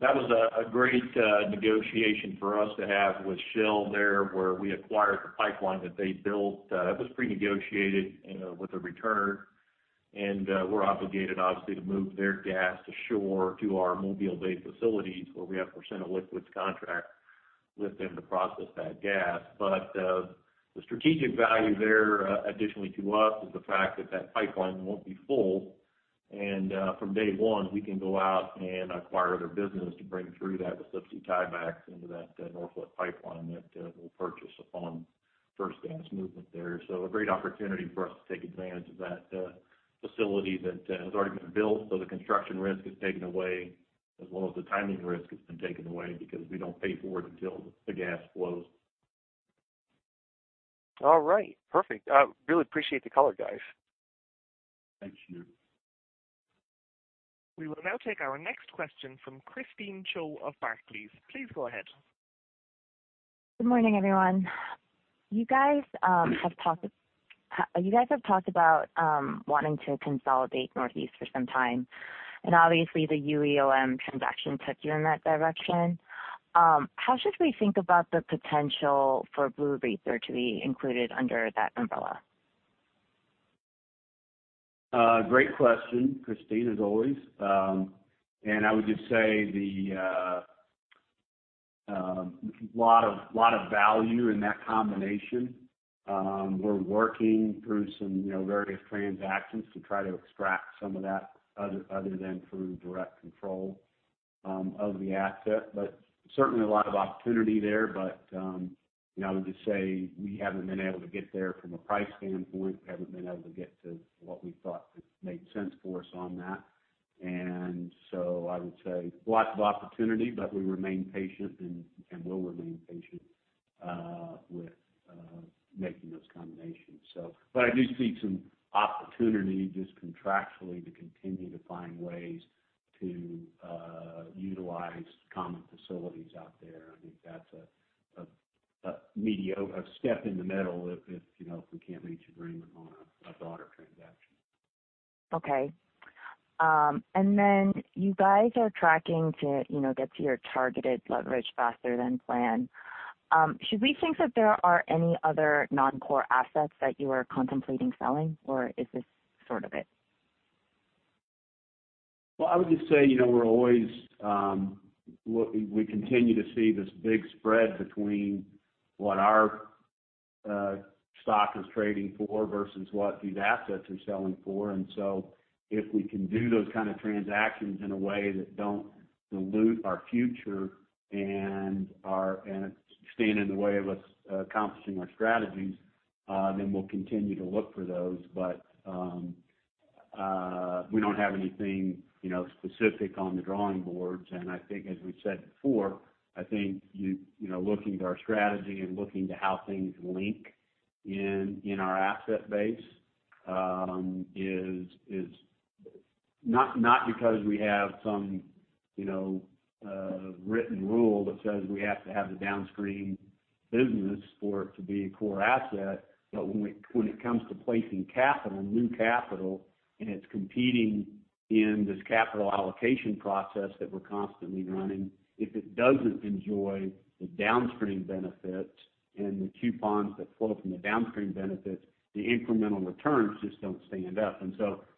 That was a great negotiation for us to have with Shell there, where we acquired the pipeline that they built. It was pre-negotiated with a return, and we're obligated, obviously, to move their gas to shore to our Mobile Bay facilities, where we have a % of liquids contract with them to process that gas. The strategic value there, additionally to us, is the fact that that pipeline won't be full, and from day one, we can go out and acquire other business to bring through to have a 50 tieback into that Norphlet pipeline that we'll purchase upon first gas movement there. A great opportunity for us to take advantage of that facility that has already been built. The construction risk is taken away as well as the timing risk has been taken away because we don't pay for it until the gas flows. All right, perfect. Really appreciate the color, guys. Thank you. We will now take our next question from Christine Cho of Barclays. Please go ahead. Good morning, everyone. You guys have talked about wanting to consolidate Northeast for some time, obviously the UEO transaction took you in that direction. How should we think about the potential for Blue Racer to be included under that umbrella? Great question, Christine, as always. I would just say, a lot of value in that combination. We're working through some various transactions to try to extract some of that other than through direct control of the asset. Certainly a lot of opportunity there, I would just say we haven't been able to get there from a price standpoint. We haven't been able to get to what we thought made sense for us on that. I would say lots of opportunity, but we remain patient, and will remain patient with making those combinations. I do see some opportunity just contractually to continue to find ways to utilize common facilities out there. I think that's a step in the middle if we can't reach agreement on a broader transaction. Okay. You guys are tracking to get to your targeted leverage faster than planned. Should we think that there are any other non-core assets that you are contemplating selling, or is this sort of it? Well, I would just say, we continue to see this big spread between what our stock is trading for versus what these assets are selling for. If we can do those kind of transactions in a way that don't dilute our future and stand in the way of us accomplishing our strategies, then we'll continue to look for those. We don't have anything specific on the drawing boards, and I think as we've said before, I think looking to our strategy and looking to how things link in our asset base is not because we have some written rule that says we have to have the downstream business for it to be a core asset. When it comes to placing capital, new capital, and it's competing in this capital allocation process that we're constantly running, if it doesn't enjoy the downstream benefit and the coupons that flow from the downstream benefit, the incremental returns just don't stand up.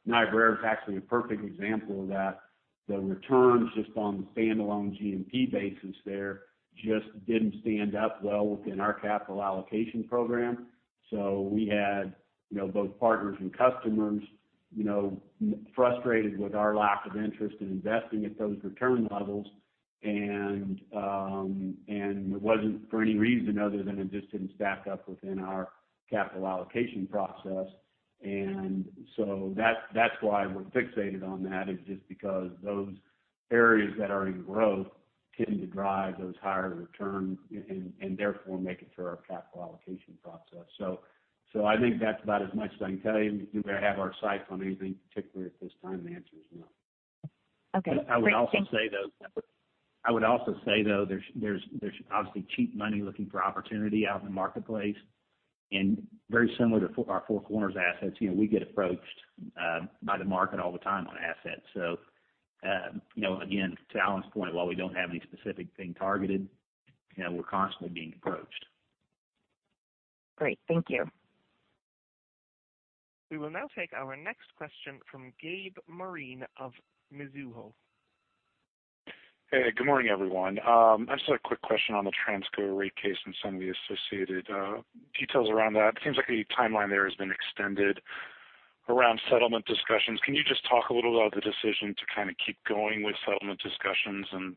Niobrara is actually a perfect example of that. The returns just on the standalone G&P basis there just didn't stand up well within our capital allocation program. We had both partners and customers frustrated with our lack of interest in investing at those return levels. It wasn't for any reason other than it just didn't stack up within our capital allocation process. That's why we're fixated on that, is just because those areas that are in growth tend to drive those higher returns, and therefore make it through our capital allocation process. I think that's about as much as I can tell you. Do we have our sights on anything particular at this time? The answer is no. Okay. Great. Thank you. I would also say, though, there's obviously cheap money looking for opportunity out in the marketplace. Very similar to our Four Corners assets, we get approached by the market all the time on assets. Again, to Alan's point, while we don't have any specific thing targeted, we're constantly being approached. Great. Thank you. We will now take our next question from Gabe Moreen of Mizuho. Hey, good morning, everyone. I just had a quick question on the Transco rate case and some of the associated details around that. It seems like the timeline there has been extended around settlement discussions. Can you just talk a little about the decision to kind of keep going with settlement discussions and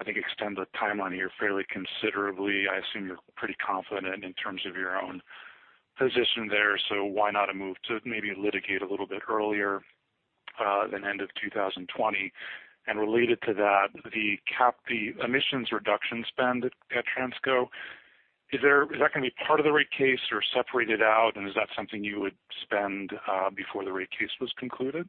I think extend the timeline here fairly considerably? I assume you're pretty confident in terms of your own position there, so why not a move to maybe litigate a little bit earlier than end of 2020? Related to that, the emissions reduction spend at Transco, is that going to be part of the rate case or separated out, and is that something you would spend before the rate case was concluded?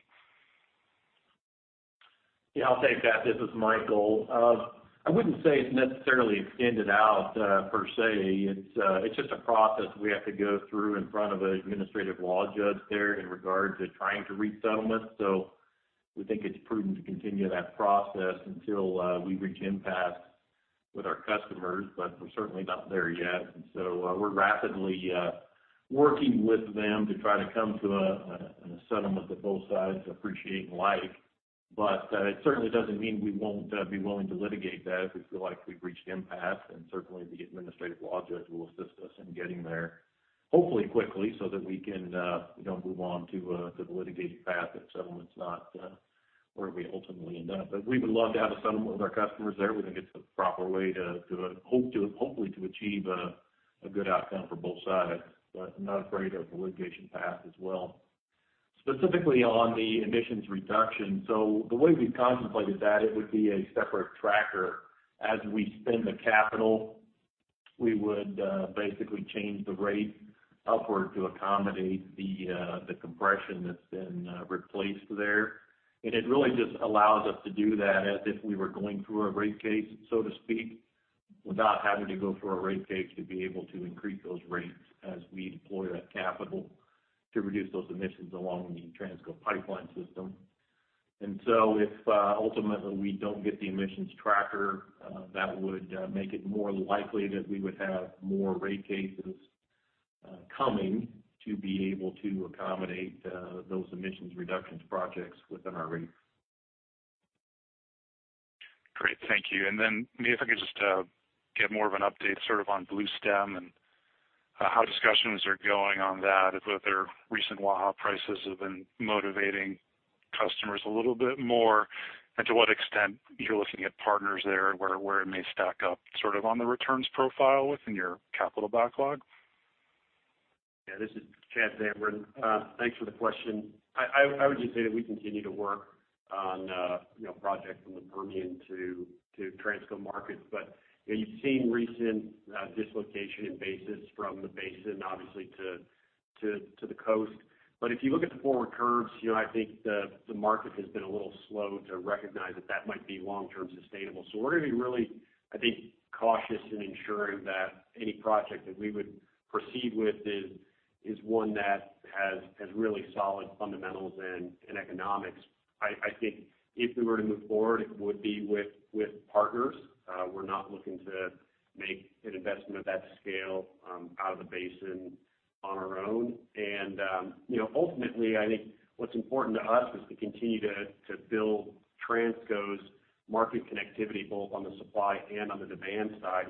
Yeah, I'll take that. This is Micheal. I wouldn't say it's necessarily extended out, per se. It's just a process we have to go through in front of an administrative law judge there in regards to trying to reach settlement. We think it's prudent to continue that process until we reach impasse with our customers, but we're certainly not there yet. We're rapidly working with them to try to come to a settlement that both sides appreciate and like. It certainly doesn't mean we won't be willing to litigate that if we feel like we've reached impasse. Certainly the administrative law judge will assist us in getting there, hopefully quickly, so that we can move on to the litigating path if settlement's not where we ultimately end up. We would love to have a settlement with our customers there. We think it's the proper way to hopefully achieve a good outcome for both sides. I'm not afraid of the litigation path as well. Specifically on the emissions reduction, so the way we've contemplated that, it would be a separate tracker. As we spend the capital, we would basically change the rate upward to accommodate the compression that's been replaced there. It really just allows us to do that as if we were going through a rate case, so to speak. Without having to go through a rate case to be able to increase those rates as we deploy that capital to reduce those emissions along the Transco pipeline system. If ultimately we don't get the emissions tracker, that would make it more likely that we would have more rate cases coming to be able to accommodate those emissions reductions projects within our rate. Great, thank you. Maybe if I could just get more of an update on Bluestem and how discussions are going on that, whether recent Waha prices have been motivating customers a little bit more, and to what extent you're looking at partners there where it may stack up on the returns profile within your capital backlog. Yeah, this is Chad Zamarin. Thanks for the question. I would just say that we continue to work on projects from the Permian to Transco markets. You've seen recent dislocation in basis from the basin, obviously to the coast. If you look at the forward curves, I think the market has been a little slow to recognize that that might be long-term sustainable. We're going to be really cautious in ensuring that any project that we would proceed with is one that has really solid fundamentals and economics. I think if we were to move forward, it would be with partners. We're not looking to make an investment of that scale out of the basin on our own. Ultimately, I think what's important to us is to continue to build Transco's market connectivity, both on the supply and on the demand side.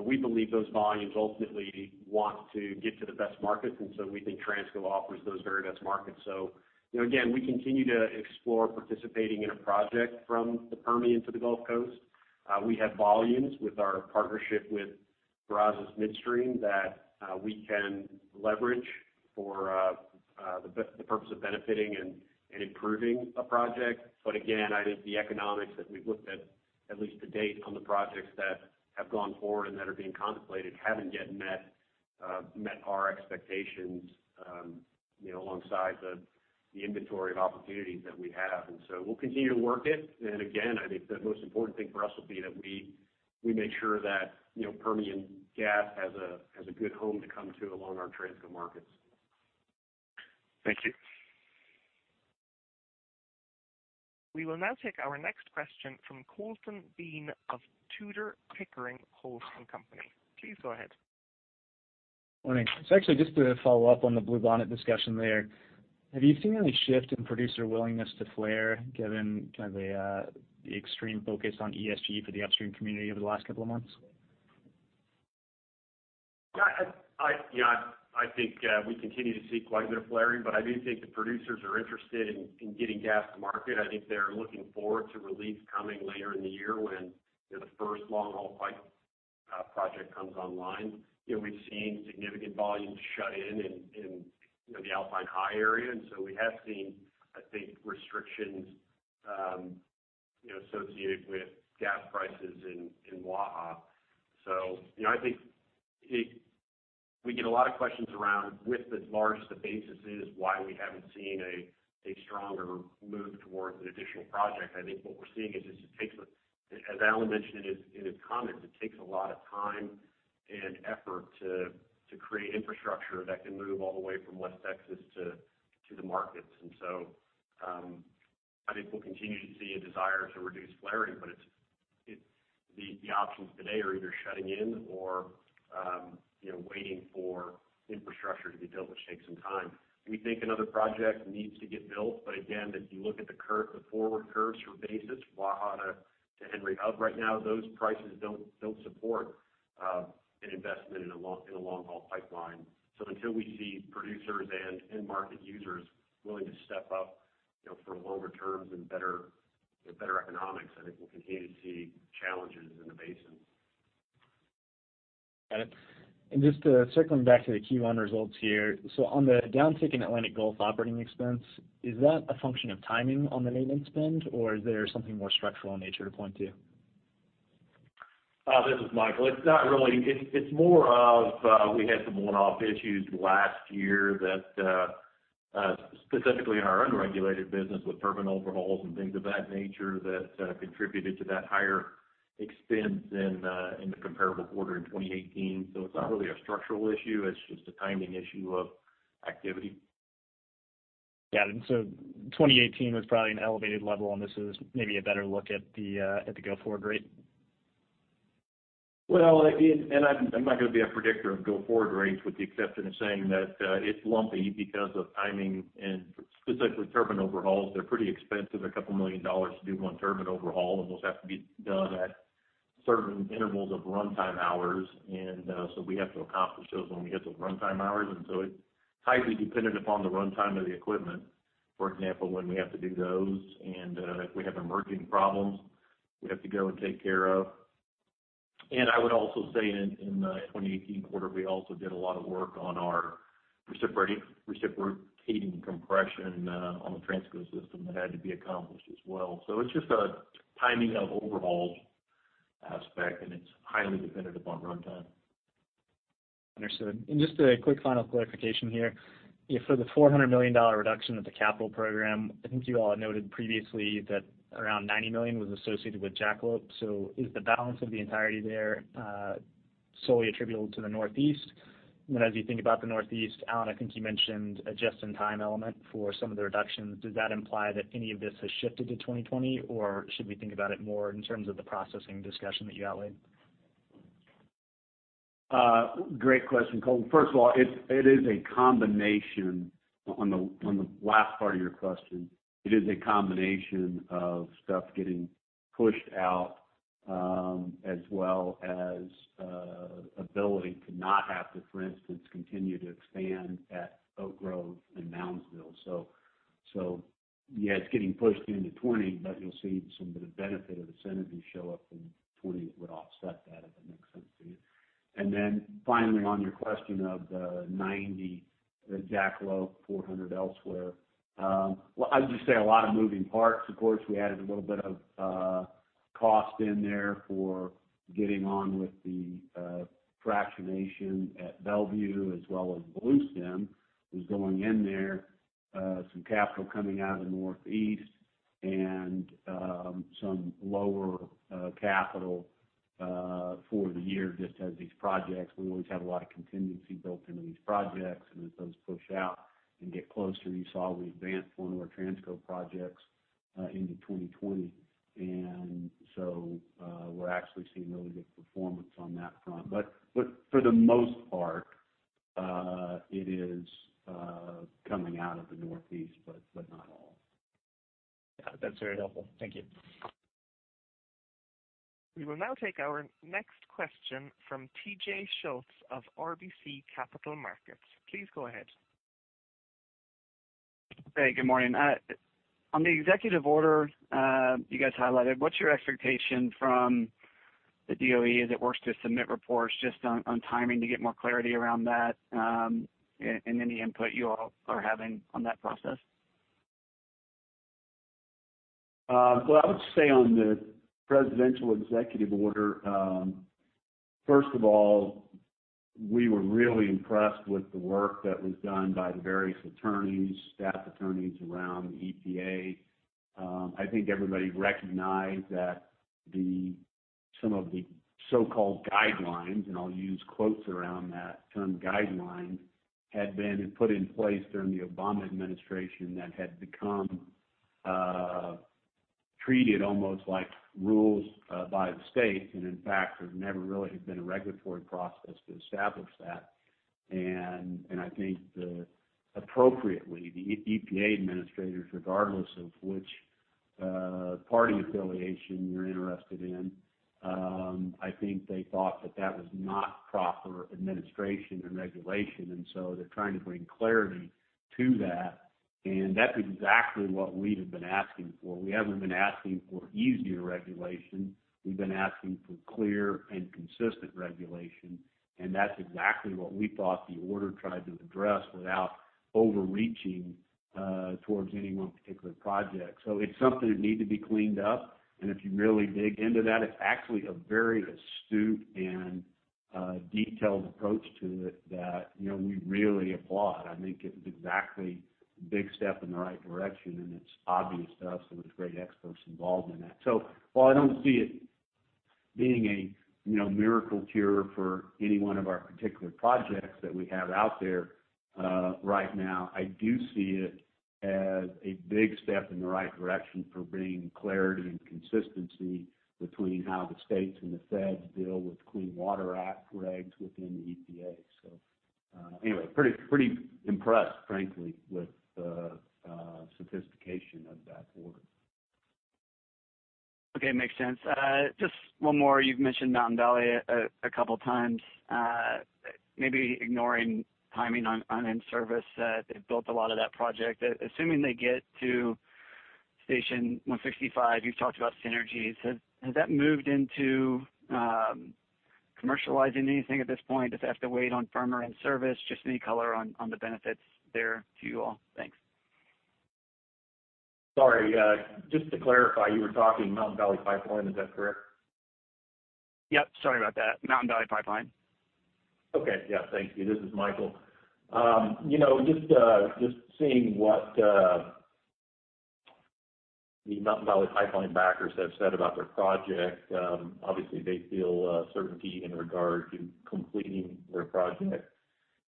We believe those volumes ultimately want to get to the best markets, we think Transco offers those very best markets. Again, we continue to explore participating in a project from the Permian to the Gulf Coast. We have volumes with our partnership with Brazos Midstream that we can leverage for the purpose of benefiting and improving a project. Again, I think the economics that we've looked at least to date on the projects that have gone forward and that are being contemplated, haven't yet met our expectations alongside the inventory of opportunities that we have. We'll continue to work it. Again, I think the most important thing for us will be that we make sure that Permian Gas has a good home to come to along our Transco markets. Thank you. We will now take our next question from Colton Bean of Tudor, Pickering, Holt & Co.. Please go ahead. Morning. It's actually just to follow up on the Bluestem discussion there. Have you seen any shift in producer willingness to flare, given the extreme focus on ESG for the upstream community over the last couple of months? Yeah. I think we continue to see quite a bit of flaring, but I do think the producers are interested in getting gas to market. I think they're looking forward to relief coming later in the year when the first long-haul pipe project comes online. We've seen significant volumes shut in the Alpine High area, and we have seen, I think, restrictions associated with gas prices in Waha. I think we get a lot of questions around with as large as the basis is why we haven't seen a stronger move towards an additional project. I think what we're seeing is it takes, as Alan mentioned in his comments, it takes a lot of time and effort to create infrastructure that can move all the way from West Texas to the markets. I think we'll continue to see a desire to reduce flaring, but the options today are either shutting in or waiting for infrastructure to be built, which takes some time. We think another project needs to get built. Again, if you look at the forward curves for basis, Waha to Henry Hub right now, those prices don't support an investment in a long-haul pipeline. Until we see producers and end market users willing to step up for longer terms and better economics, I think we'll continue to see challenges in the basin. Got it. Just circling back to the Q1 results here. On the downtick in Atlantic Gulf operating expense, is that a function of timing on the maintenance spend, or is there something more structural in nature to point to? This is Micheal. It's not really. It's more of we had some one-off issues last year that, specifically in our unregulated business with turbine overhauls and things of that nature, that contributed to that higher expense in the comparable quarter in 2018. It's not really a structural issue, it's just a timing issue of activity. Got it. 2018 was probably an elevated level, and this is maybe a better look at the go-forward rate. I'm not going to be a predictor of go-forward rates with the exception of saying that it's lumpy because of timing and specifically turbine overhauls. They're pretty expensive. A couple million dollars to do one turbine overhaul, and those have to be done at certain intervals of runtime hours. We have to accomplish those when we hit those runtime hours. It's highly dependent upon the runtime of the equipment, for example, when we have to do those, and if we have emerging problems we have to go and take care of. I would also say in the 2018 quarter, we also did a lot of work on our reciprocating compression on the Transco system that had to be accomplished as well. It's just a timing of overhaul aspect, and it's highly dependent upon runtime. Understood. Just a quick final clarification here. For the $400 million reduction of the capital program, I think you all had noted previously that around $90 million was associated with Jackalope. Is the balance of the entirety there solely attributable to the Northeast? As you think about the Northeast, Alan, I think you mentioned a just-in-time element for some of the reductions. Does that imply that any of this has shifted to 2020, or should we think about it more in terms of the processing discussion that you outlined? Great question, Colton. First of all, it is a combination, on the last part of your question, it is a combination of stuff getting pushed out as well as ability to not have to, for instance, continue to expand at Oak Grove and Moundsville. Yeah, it's getting pushed into 2020, but you'll see some of the benefit of the synergies show up in 2020 that would offset that, if that makes sense to you. Finally, on your question of the 90, the Jackalope 400 elsewhere. I'd just say a lot of moving parts. Of course, we added a little bit of cost in there for getting on with the fractionation at Bellevue as well as Bluestem, who's going in there. Some capital coming out of the Northeast and some lower capital for the year, just as these projects, we always have a lot of contingency built into these projects. As those push out and get closer, you saw we advanced one of our Transco projects into 2020. We're actually seeing really good performance on that front. For the most part, it is coming out of the Northeast, but not all. Yeah. That's very helpful. Thank you. We will now take our next question from T.J. Schultz of RBC Capital Markets. Please go ahead. Hey, good morning. On the executive order you guys highlighted, what's your expectation from the DOE as it works to submit reports just on timing to get more clarity around that, and any input you all are having on that process? Well, I would say on the presidential executive order, first of all, we were really impressed with the work that was done by the various attorneys, staff attorneys around the EPA. I think everybody recognized that some of the so-called guidelines, and I'll use quotes around that term, guidelines, had been put in place during the Obama administration that had become treated almost like rules by the state. In fact, there never really had been a regulatory process to establish that. I think that appropriately, the EPA administrators, regardless of which party affiliation you're interested in, I think they thought that that was not proper administration and regulation, and so they're trying to bring clarity to that. We haven't been asking for easier regulation. We've been asking for clear and consistent regulation. That's exactly what we thought the order tried to address without overreaching towards any one particular project. It's something that needed to be cleaned up. If you really dig into that, it's actually a very astute and detailed approach to it that we really applaud. I think it's exactly a big step in the right direction. It's obvious to us there was great experts involved in that. While I don't see it being a miracle cure for any one of our particular projects that we have out there right now, I do see it as a big step in the right direction for bringing clarity and consistency between how the states and the feds deal with Clean Water Act regs within the EPA. Anyway, pretty impressed, frankly, with the sophistication of that order. Okay. Makes sense. Just one more. You've mentioned Mountain Valley a couple times. Maybe ignoring timing on in-service. They've built a lot of that project. Assuming they get to Station 165, you've talked about synergies. Has that moved into commercializing anything at this point? Does it have to wait on firmer in-service? Just any color on the benefits there to you all. Thanks. Sorry. Just to clarify, you were talking Mountain Valley Pipeline, is that correct? Yep, sorry about that. Mountain Valley Pipeline. Okay. Yeah. Thank you. This is Micheal. Just seeing what the Mountain Valley Pipeline backers have said about their project. Obviously, they feel certainty in regard to completing their project,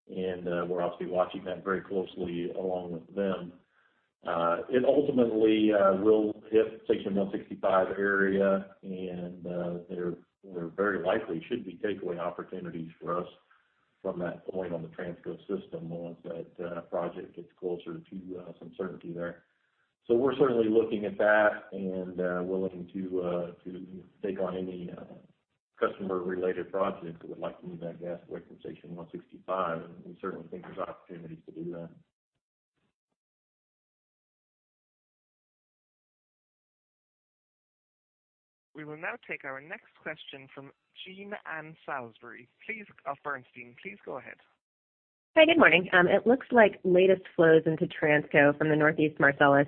we're obviously watching that very closely along with them. It ultimately will hit Station 165 area, there very likely should be takeaway opportunities for us from that point on the Transco system once that project gets closer to some certainty there. We're certainly looking at that and willing to take on any customer-related project that would like to move that gas away from Station 165, we certainly think there's opportunities to do that. We will now take our next question from Jean Ann Salisbury of Bernstein. Please go ahead. Hey, good morning. It looks like latest flows into Transco from the Northeast Marcellus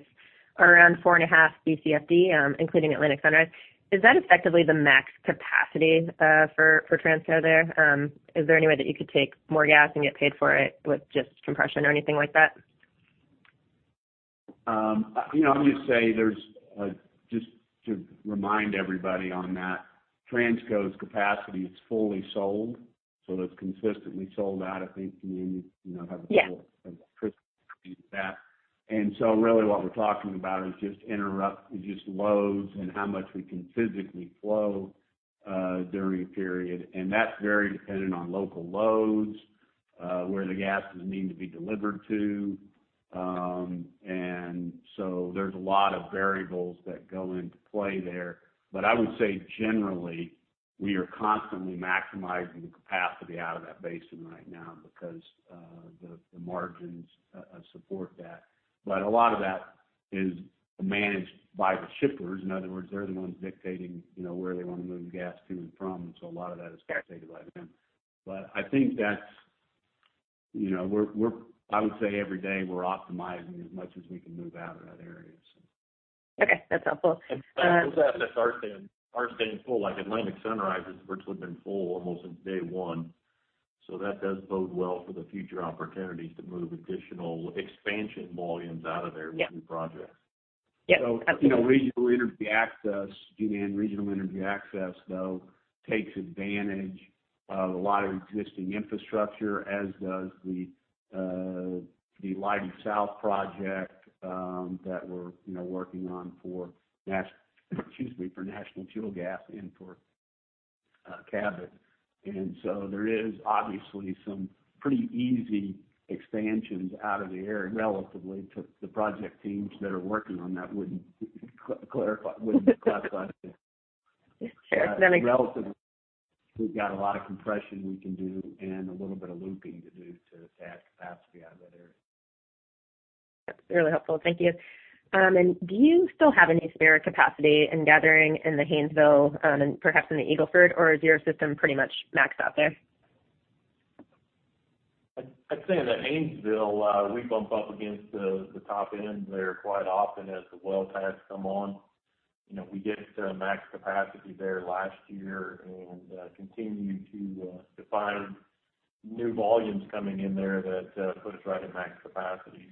are around four and a half BCFD, including Atlantic Sunrise. Is that effectively the max capacity for Transco there? Is there any way that you could take more gas and get paid for it with just compression or anything like that? I would say, just to remind everybody on that, Transco's capacity is fully sold, it's consistently sold out. I think, Jean Ann, you have a full of that. Yeah. Really what we're talking about is just interrupt, just loads and how much we can physically flow during a period. That's very dependent on local loads, where the gas is needing to be delivered to. There's a lot of variables that go into play there. I would say generally, we are constantly maximizing the capacity out of that basin right now because the margins support that. A lot of that is managed by the shippers. In other words, they're the ones dictating where they want to move gas to and from. A lot of that is dictated by them. I would say every day, we're optimizing as much as we can move out of that area, so. Okay, that's helpful. Those assets are staying full. Like Atlantic Sunrise has virtually been full almost since day one. That does bode well for the future opportunities to move additional expansion volumes out of there. Yeah With new projects. Yeah. Jean Ann, Regional Energy Access, though, takes advantage of a lot of existing infrastructure, as does the Leidy South project that we're working on for National Fuel Gas and for Cabot. There is obviously some pretty easy expansions out of the area, relatively, to the project teams that are working on. Sure. Relatively, we've got a lot of compression we can do and a little bit of looping to do to add capacity out of that area. That's really helpful. Thank you. Do you still have any spare capacity in gathering in the Haynesville and perhaps in the Eagle Ford, or is your system pretty much maxed out there? I'd say in the Haynesville, we bump up against the top end there quite often as the well pads come on. We get to max capacity there last year and continue to define new volumes coming in there that put us right at max capacity.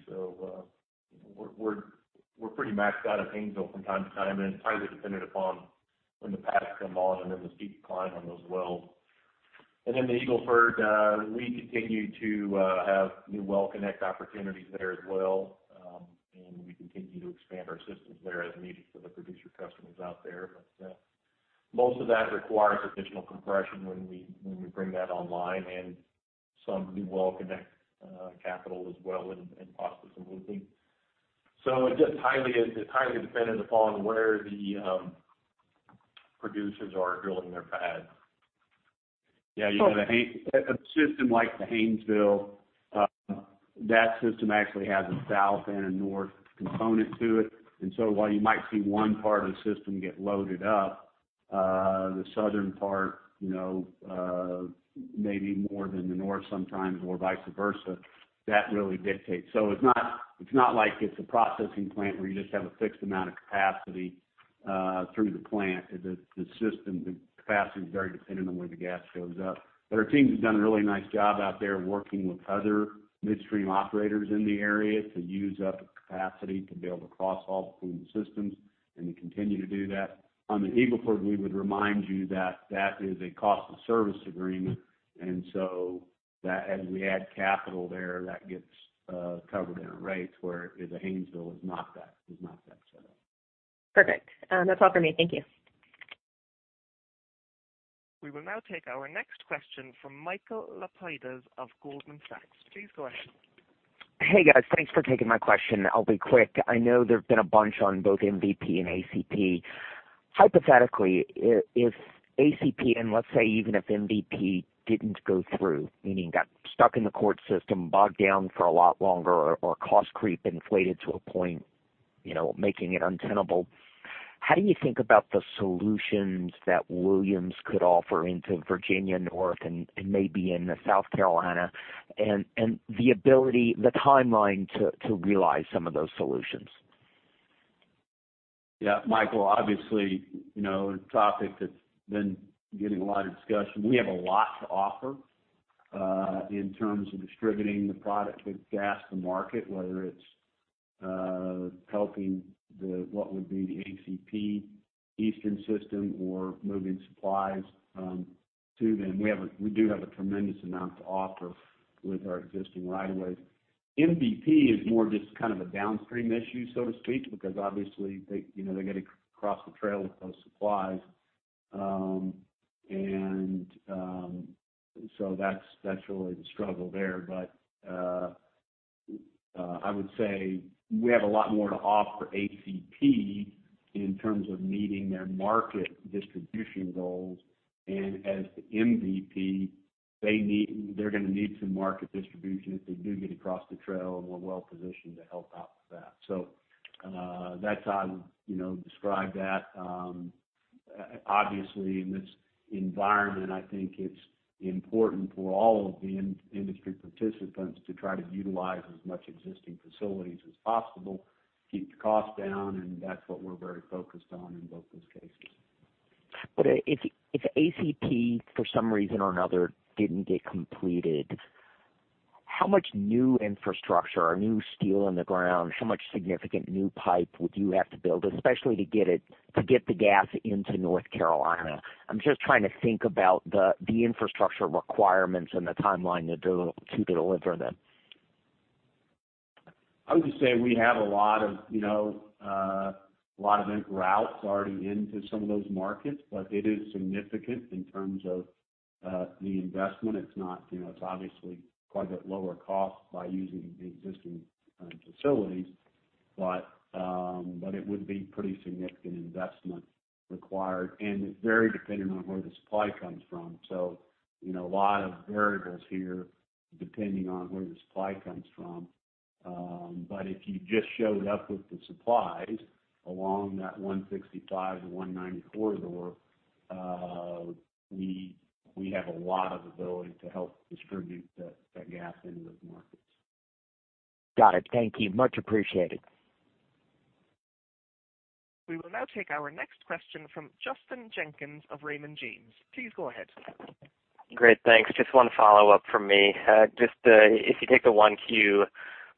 We're pretty maxed out at Haynesville from time to time, and it's highly dependent upon when the pads come on and then the steep decline on those wells. The Eagle Ford, we continue to have new well connect opportunities there as well. We continue to expand our systems there as needed for the producer customers out there. Most of that requires additional compression when we bring that online and some new well connect capital as well, and possibly some looping. It's highly dependent upon where the producers are drilling their pads. Yeah. A system like the Haynesville, that system actually has a south and a north component to it. While you might see one part of the system get loaded up, the southern part maybe more than the north sometimes, or vice versa. That really dictates. It's not like it's a processing plant where you just have a fixed amount of capacity through the plant. The system capacity is very dependent on where the gas shows up. Our teams have done a really nice job out there working with other midstream operators in the area to use up the capacity to be able to cross haul between the systems and to continue to do that. On the Eagle Ford, we would remind you that that is a cost of service agreement, as we add capital there, that gets covered in our rates, where the Haynesville is not that set up. Perfect. That's all for me. Thank you. We will now take our next question from Michael Lapides of Goldman Sachs. Please go ahead. Hey, guys. Thanks for taking my question. I'll be quick. I know there've been a bunch on both MVP and ACP. Hypothetically, if ACP, and let's say even if MVP didn't go through, meaning got stuck in the court system, bogged down for a lot longer, or cost creep inflated to a point making it untenable, how do you think about the solutions that Williams could offer into Virginia, North and maybe in the South Carolina, and the ability, the timeline to realize some of those solutions? Yeah. Michael, obviously, the topic that's been getting a lot of discussion. We have a lot to offer in terms of distributing the product of gas to market, whether it's helping what would be the ACP eastern system or moving supplies to them. We do have a tremendous amount to offer with our existing right of ways. MVP is more just kind of a downstream issue, so to speak, because obviously they got to cross the trail with those supplies. That's really the struggle there. I would say we have a lot more to offer ACP in terms of meeting their market distribution goals. As for MVP, they're going to need some market distribution if they do get across the trail, and we're well-positioned to help out with that. That's how I would describe that. Obviously, in this environment, I think it's important for all of the industry participants to try to utilize as much existing facilities as possible, keep the cost down, and that's what we're very focused on in both those cases. If ACP, for some reason or another, didn't get completed, how much new infrastructure or new steel in the ground, how much significant new pipe would you have to build, especially to get the gas into North Carolina? I'm just trying to think about the infrastructure requirements and the timeline to deliver them. I would just say we have a lot of routes already into some of those markets, but it is significant in terms of the investment. It's obviously quite a bit lower cost by using the existing facilities. It would be pretty significant investment required, and it's very dependent on where the supply comes from. A lot of variables here depending on where the supply comes from. If you just showed up with the supplies along that 165, the 190 corridor, we have a lot of ability to help distribute that gas into those markets. Got it. Thank you. Much appreciated. We will now take our next question from Justin Jenkins of Raymond James. Please go ahead. Great. Thanks. Just one follow-up from me. Just if you take the 1Q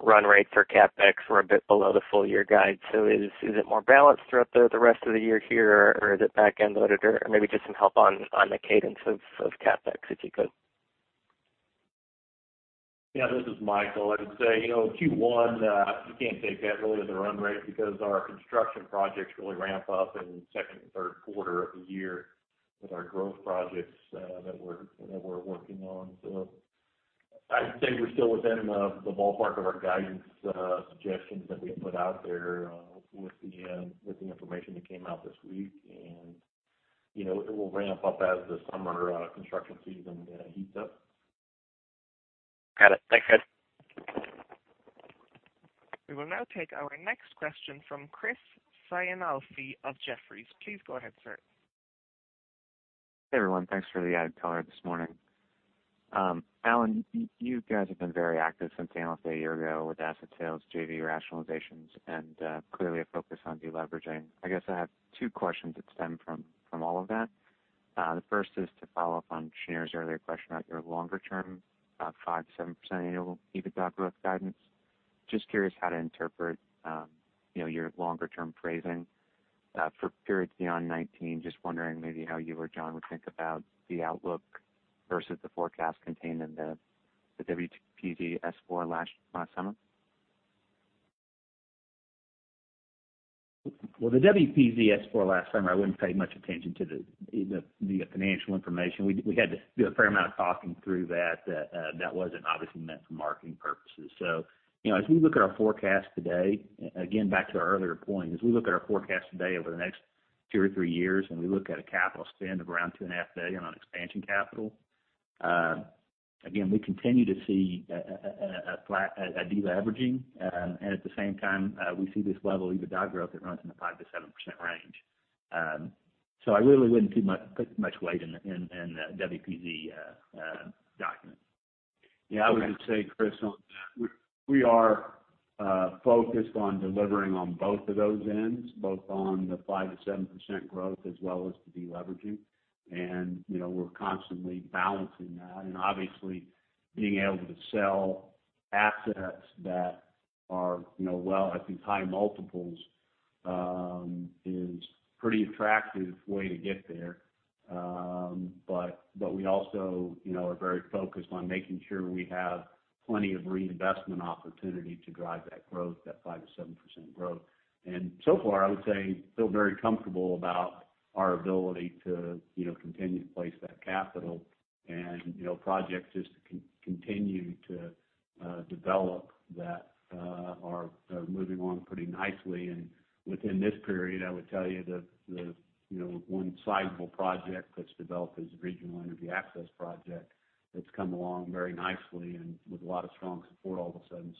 run rate for CapEx, we're a bit below the full-year guide. Is it more balanced throughout the rest of the year here, or is it back-end loaded? Maybe just some help on the cadence of CapEx, if you could. Yeah, this is Micheal. I would say, Q1, you can't take that really as a run rate because our construction projects really ramp up in second and third quarter of the year with our growth projects that we're working on. I'd say we're still within the ballpark of our guidance suggestions that we put out there with the information that came out this week, and it will ramp up as the summer construction season heats up. Got it. Thanks, guys. We will now take our next question from Chris Sighinolfi of Jefferies. Please go ahead, sir. Hey, everyone. Thanks for the added color this morning. Alan, you guys have been very active since analyst day a year ago with asset sales, JV rationalizations, and clearly a focus on deleveraging. I guess I have two questions that stem from all of that. The first is to follow up on Shneur's earlier question about your longer-term, 5%-7% annual EBITDA growth guidance. Just curious how to interpret your longer-term phrasing. For periods beyond 2019, just wondering maybe how you or John would think about the outlook versus the forecast contained in the WPZ S-4 last summer. The Williams Partners L.P. Form S-4 last summer, I wouldn't pay much attention to the financial information. We had to do a fair amount of talking through that. That wasn't obviously meant for marketing purposes. As we look at our forecast today, again, back to our earlier point, as we look at our forecast today over the next two or three years, and we look at a capital spend of around $2.5 billion on expansion capital. Again, we continue to see a deleveraging, and at the same time, we see this level of EBITDA growth that runs in the 5%-7% range. I really wouldn't put much weight in the Williams Partners L.P. document. I would just say, Chris, on that, we are focused on delivering on both of those ends, both on the 5%-7% growth as well as the deleveraging. We're constantly balancing that. Obviously, being able to sell assets that are well at these high multiples is pretty attractive way to get there. We also are very focused on making sure we have plenty of reinvestment opportunity to drive that growth, that 5%-7% growth. So far, I would say, feel very comfortable about our ability to continue to place that capital, projects just continue to develop that are moving along pretty nicely. Within this period, I would tell you that the one sizable project that's developed is the Regional Energy Access project that's come along very nicely and with a lot of strong support all of a sudden.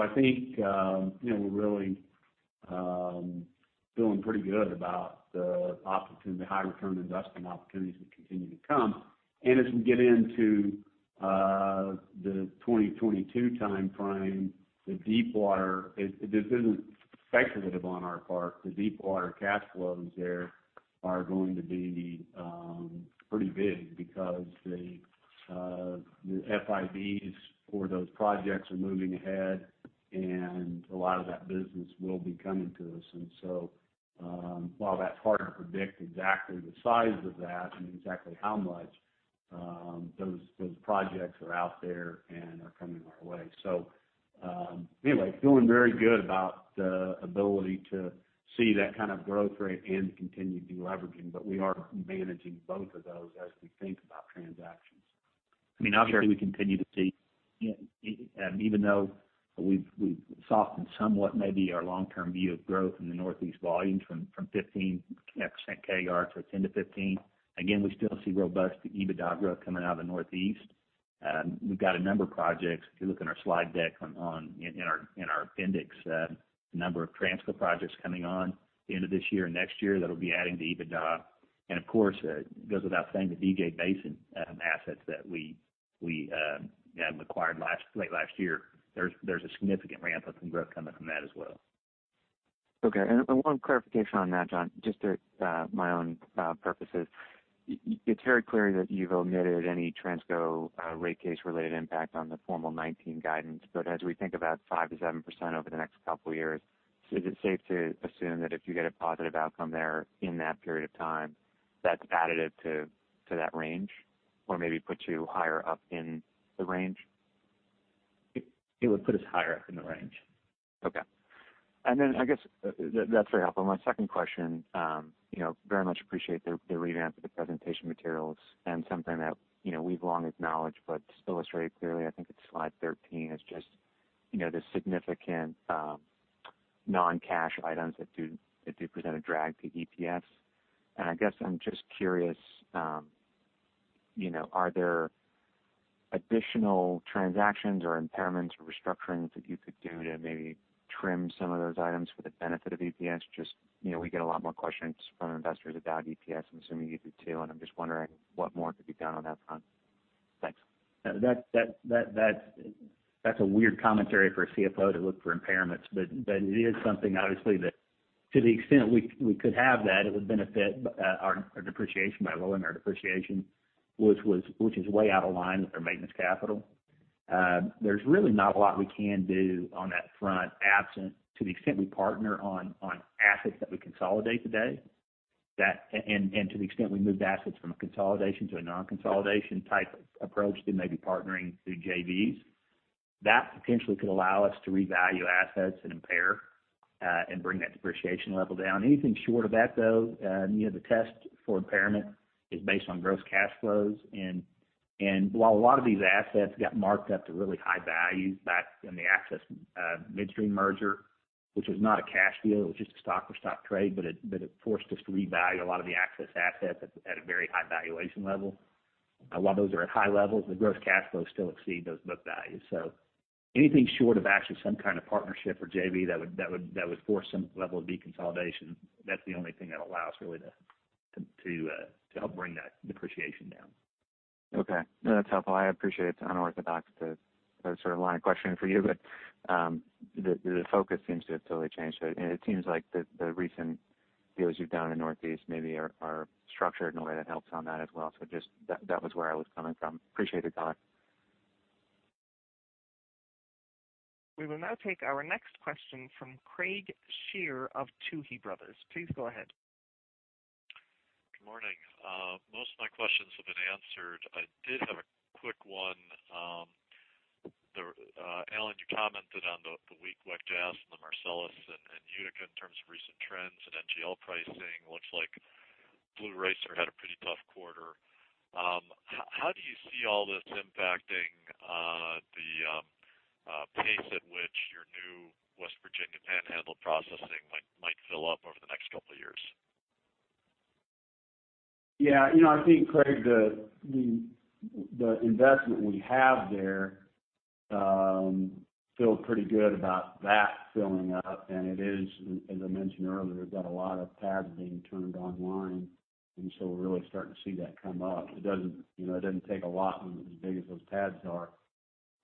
I think, we're really feeling pretty good about the high return investment opportunities that continue to come. As we get into the 2022 timeframe, this isn't speculative on our part, the deepwater cash flows there are going to be pretty big because the FIDs for those projects are moving ahead, a lot of that business will be coming to us. While that's hard to predict exactly the size of that and exactly how much, those projects are out there and are coming our way. Anyway, feeling very good about the ability to see that kind of growth rate and continued deleveraging, we are managing both of those as we think about transactions. I mean, obviously, we continue to see. Even though we've softened somewhat maybe our long-term view of growth in the Northeast volumes from 15% CAGR to 10%-15%. Again, we still see robust EBITDA growth coming out of the Northeast. We've got a number of projects, if you look in our slide deck in our appendix, a number of Transco projects coming on the end of this year, next year, that'll be adding to EBITDA. Of course, it goes without saying, the DJ Basin assets that we have acquired late last year. There's a significant ramp-up in growth coming from that as well. Okay. One clarification on that, John, just for my own purposes. It's very clear that you've omitted any Transco rate case related impact on the formal 2019 guidance. As we think about 5%-7% over the next couple of years, is it safe to assume that if you get a positive outcome there in that period of time, that's additive to that range, or maybe put you higher up in the range? It would put us higher up in the range. Okay. That's very helpful. My second question, very much appreciate the revamp of the presentation materials, something that we've long acknowledged, but just illustrated clearly, I think it's slide 13, is just the significant non-cash items that do present a drag to EPS. I guess I'm just curious, are there additional transactions or impairments or restructurings that you could do to maybe trim some of those items for the benefit of EPS? Just, we get a lot more questions from investors about EPS, I'm assuming you do too, and I'm just wondering what more could be done on that front. Thanks. That's a weird commentary for a CFO to look for impairments. It is something, obviously, that to the extent we could have that, it would benefit our depreciation by lowering our depreciation, which is way out of line with our maintenance capital. There's really not a lot we can do on that front, absent to the extent we partner on assets that we consolidate today. To the extent we moved assets from a consolidation to a non-consolidation type approach then maybe partnering through JVs. That potentially could allow us to revalue assets and impair, and bring that depreciation level down. Anything short of that, though, the test for impairment is based on gross cash flows. While a lot of these assets got marked up to really high values back in the Access Midstream merger, which was not a cash deal, it was just a stock-for-stock trade, it forced us to revalue a lot of the Access assets at a very high valuation level. A lot of those are at high levels. The gross cash flows still exceed those book values. Anything short of actually some kind of partnership or JV that would force some level of deconsolidation, that's the only thing that allows really to help bring that depreciation down. Okay. No, that's helpful. I appreciate it's unorthodox to sort of line a question for you, the focus seems to have totally changed. It seems like the recent deals you've done in Northeast maybe are structured in a way that helps on that as well. Just that was where I was coming from. Appreciate the time. We will now take our next question from Craig Shere of Tuohy Brothers. Please go ahead. Good morning. Most of my questions have been answered. I did have a quick one. Alan, you commented on the weak wet gas in the Marcellus and Utica in terms of recent trends and NGL pricing. Looks like Blue Racer had a pretty tough quarter. How do you see all this impacting the pace at which your new West Virginia Panhandle processing might fill up over the next couple of years? Yeah. I think, Craig, the investment we have there, feel pretty good about that filling up. It is, as I mentioned earlier, we've got a lot of pads being turned online, we're really starting to see that come up. It doesn't take a lot as big as those pads are,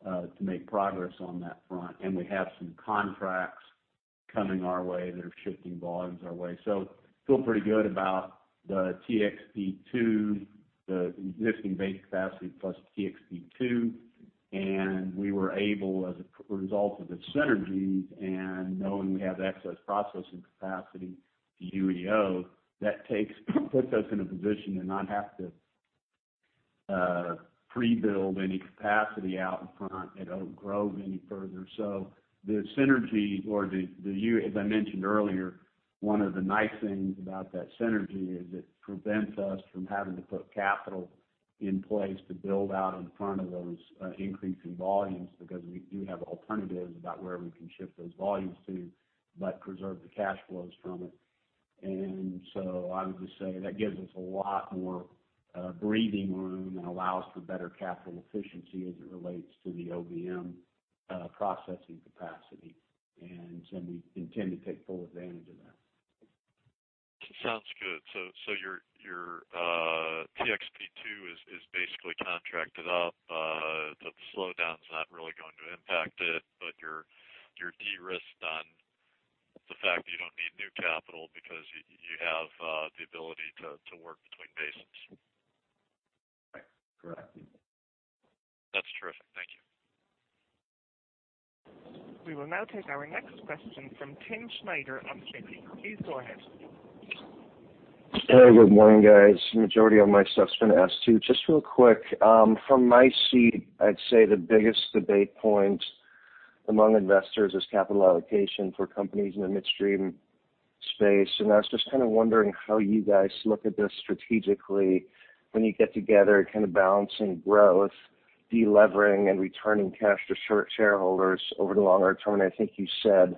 to make progress on that front. We have some contracts coming our way. They're shifting volumes our way. Feel pretty good about the TXP-2, the existing base capacity plus TXP-2. We were able, as a result of the synergies and knowing we have excess processing capacity to UEO, that puts us in a position to not have to pre-build any capacity out in front at Oak Grove any further. The synergy or as I mentioned earlier, one of the nice things about that synergy is it prevents us from having to put capital in place to build out in front of those increasing volumes because we do have alternatives about where we can shift those volumes to, but preserve the cash flows from it. I would just say that gives us a lot more breathing room and allows for better capital efficiency as it relates to the OBM processing capacity. We intend to take full advantage of that. Sounds good. Your TXP-2 is basically contracted up. The slowdown's not really going to impact it, you're de-risked on the fact that you don't need new capital because you have the ability to work between basins. Right. Correct. That's terrific. Thank you. We will now take our next question from Tim Schneider of [JPMorgan]. Please go ahead. Hey, good morning, guys. Majority of my stuff's been asked too. Just real quick. From my seat, I'd say the biggest debate point among investors is capital allocation for companies in the midstream space, and I was just kind of wondering how you guys look at this strategically when you get together, kind of balancing growth, de-levering, and returning cash to shareholders over the longer term. I think you said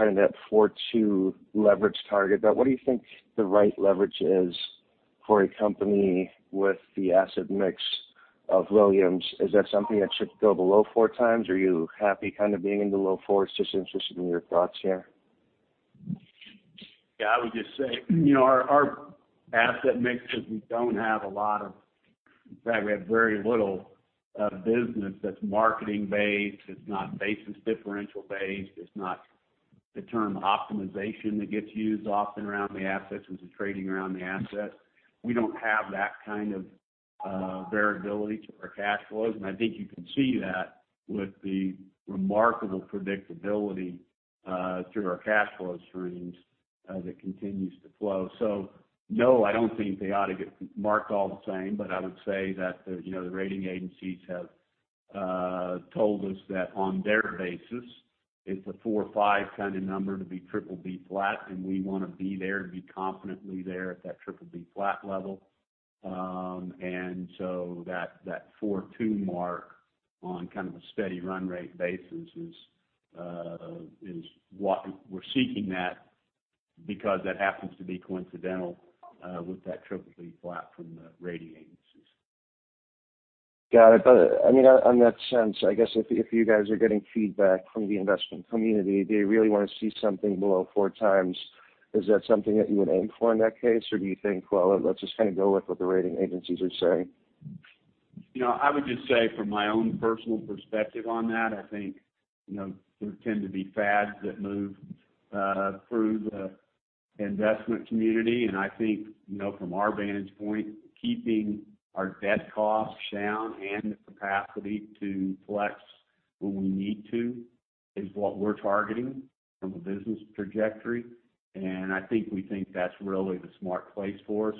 kind of that 4.2 leverage target, but what do you think the right leverage is for a company with the asset mix of Williams? Is that something that should go below 4 times? Are you happy kind of being in the low 4s? Just interested in your thoughts here. I would just say our asset mix is we have very little business that's marketing-based. It's not basis differential-based. It's not the term optimization that gets used often around the assets as a trading around the assets. We don't have that kind of variability to our cash flows. I think you can see that with the remarkable predictability through our cash flow streams as it continues to flow. No, I don't think they ought to get marked all the same, but I would say that the rating agencies have told us that on their basis, it's a 4 or 5 kind of number to be triple B flat, and we want to be there and be confidently there at that triple B flat level. That 4.2 mark on kind of a steady run rate basis is what we're seeking that because that happens to be coincidental with that triple B flat from the rating agencies. Got it. In that sense, I guess if you guys are getting feedback from the investment community, do you really want to see something below 4 times? Is that something that you would aim for in that case? Or do you think, well, let's just kind of go with what the rating agencies are saying? I would just say from my own personal perspective on that, I think there tend to be fads that move through the investment community. I think from our vantage point, keeping our debt costs down and the capacity to flex when we need to is what we're targeting from a business trajectory. I think we think that's really the smart place for us.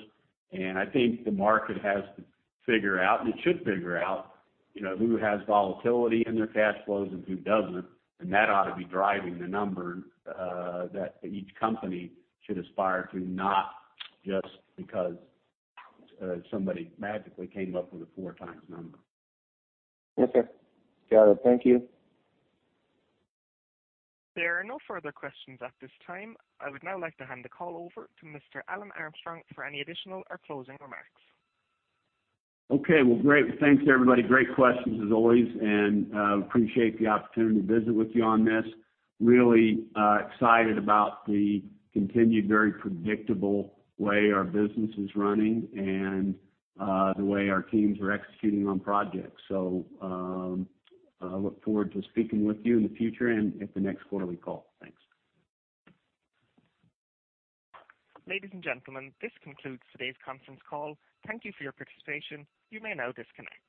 I think the market has to figure out, and it should figure out who has volatility in their cash flows and who doesn't. That ought to be driving the number that each company should aspire to, not just because somebody magically came up with a 4 times number. Yes, sir. Got it. Thank you. There are no further questions at this time. I would now like to hand the call over to Mr. Alan Armstrong for any additional or closing remarks. Okay. Well, great. Thanks everybody. Great questions as always. Appreciate the opportunity to visit with you on this. Really excited about the continued, very predictable way our business is running and the way our teams are executing on projects. I look forward to speaking with you in the future and at the next quarterly call. Thanks. Ladies and gentlemen, this concludes today's conference call. Thank you for your participation. You may now disconnect.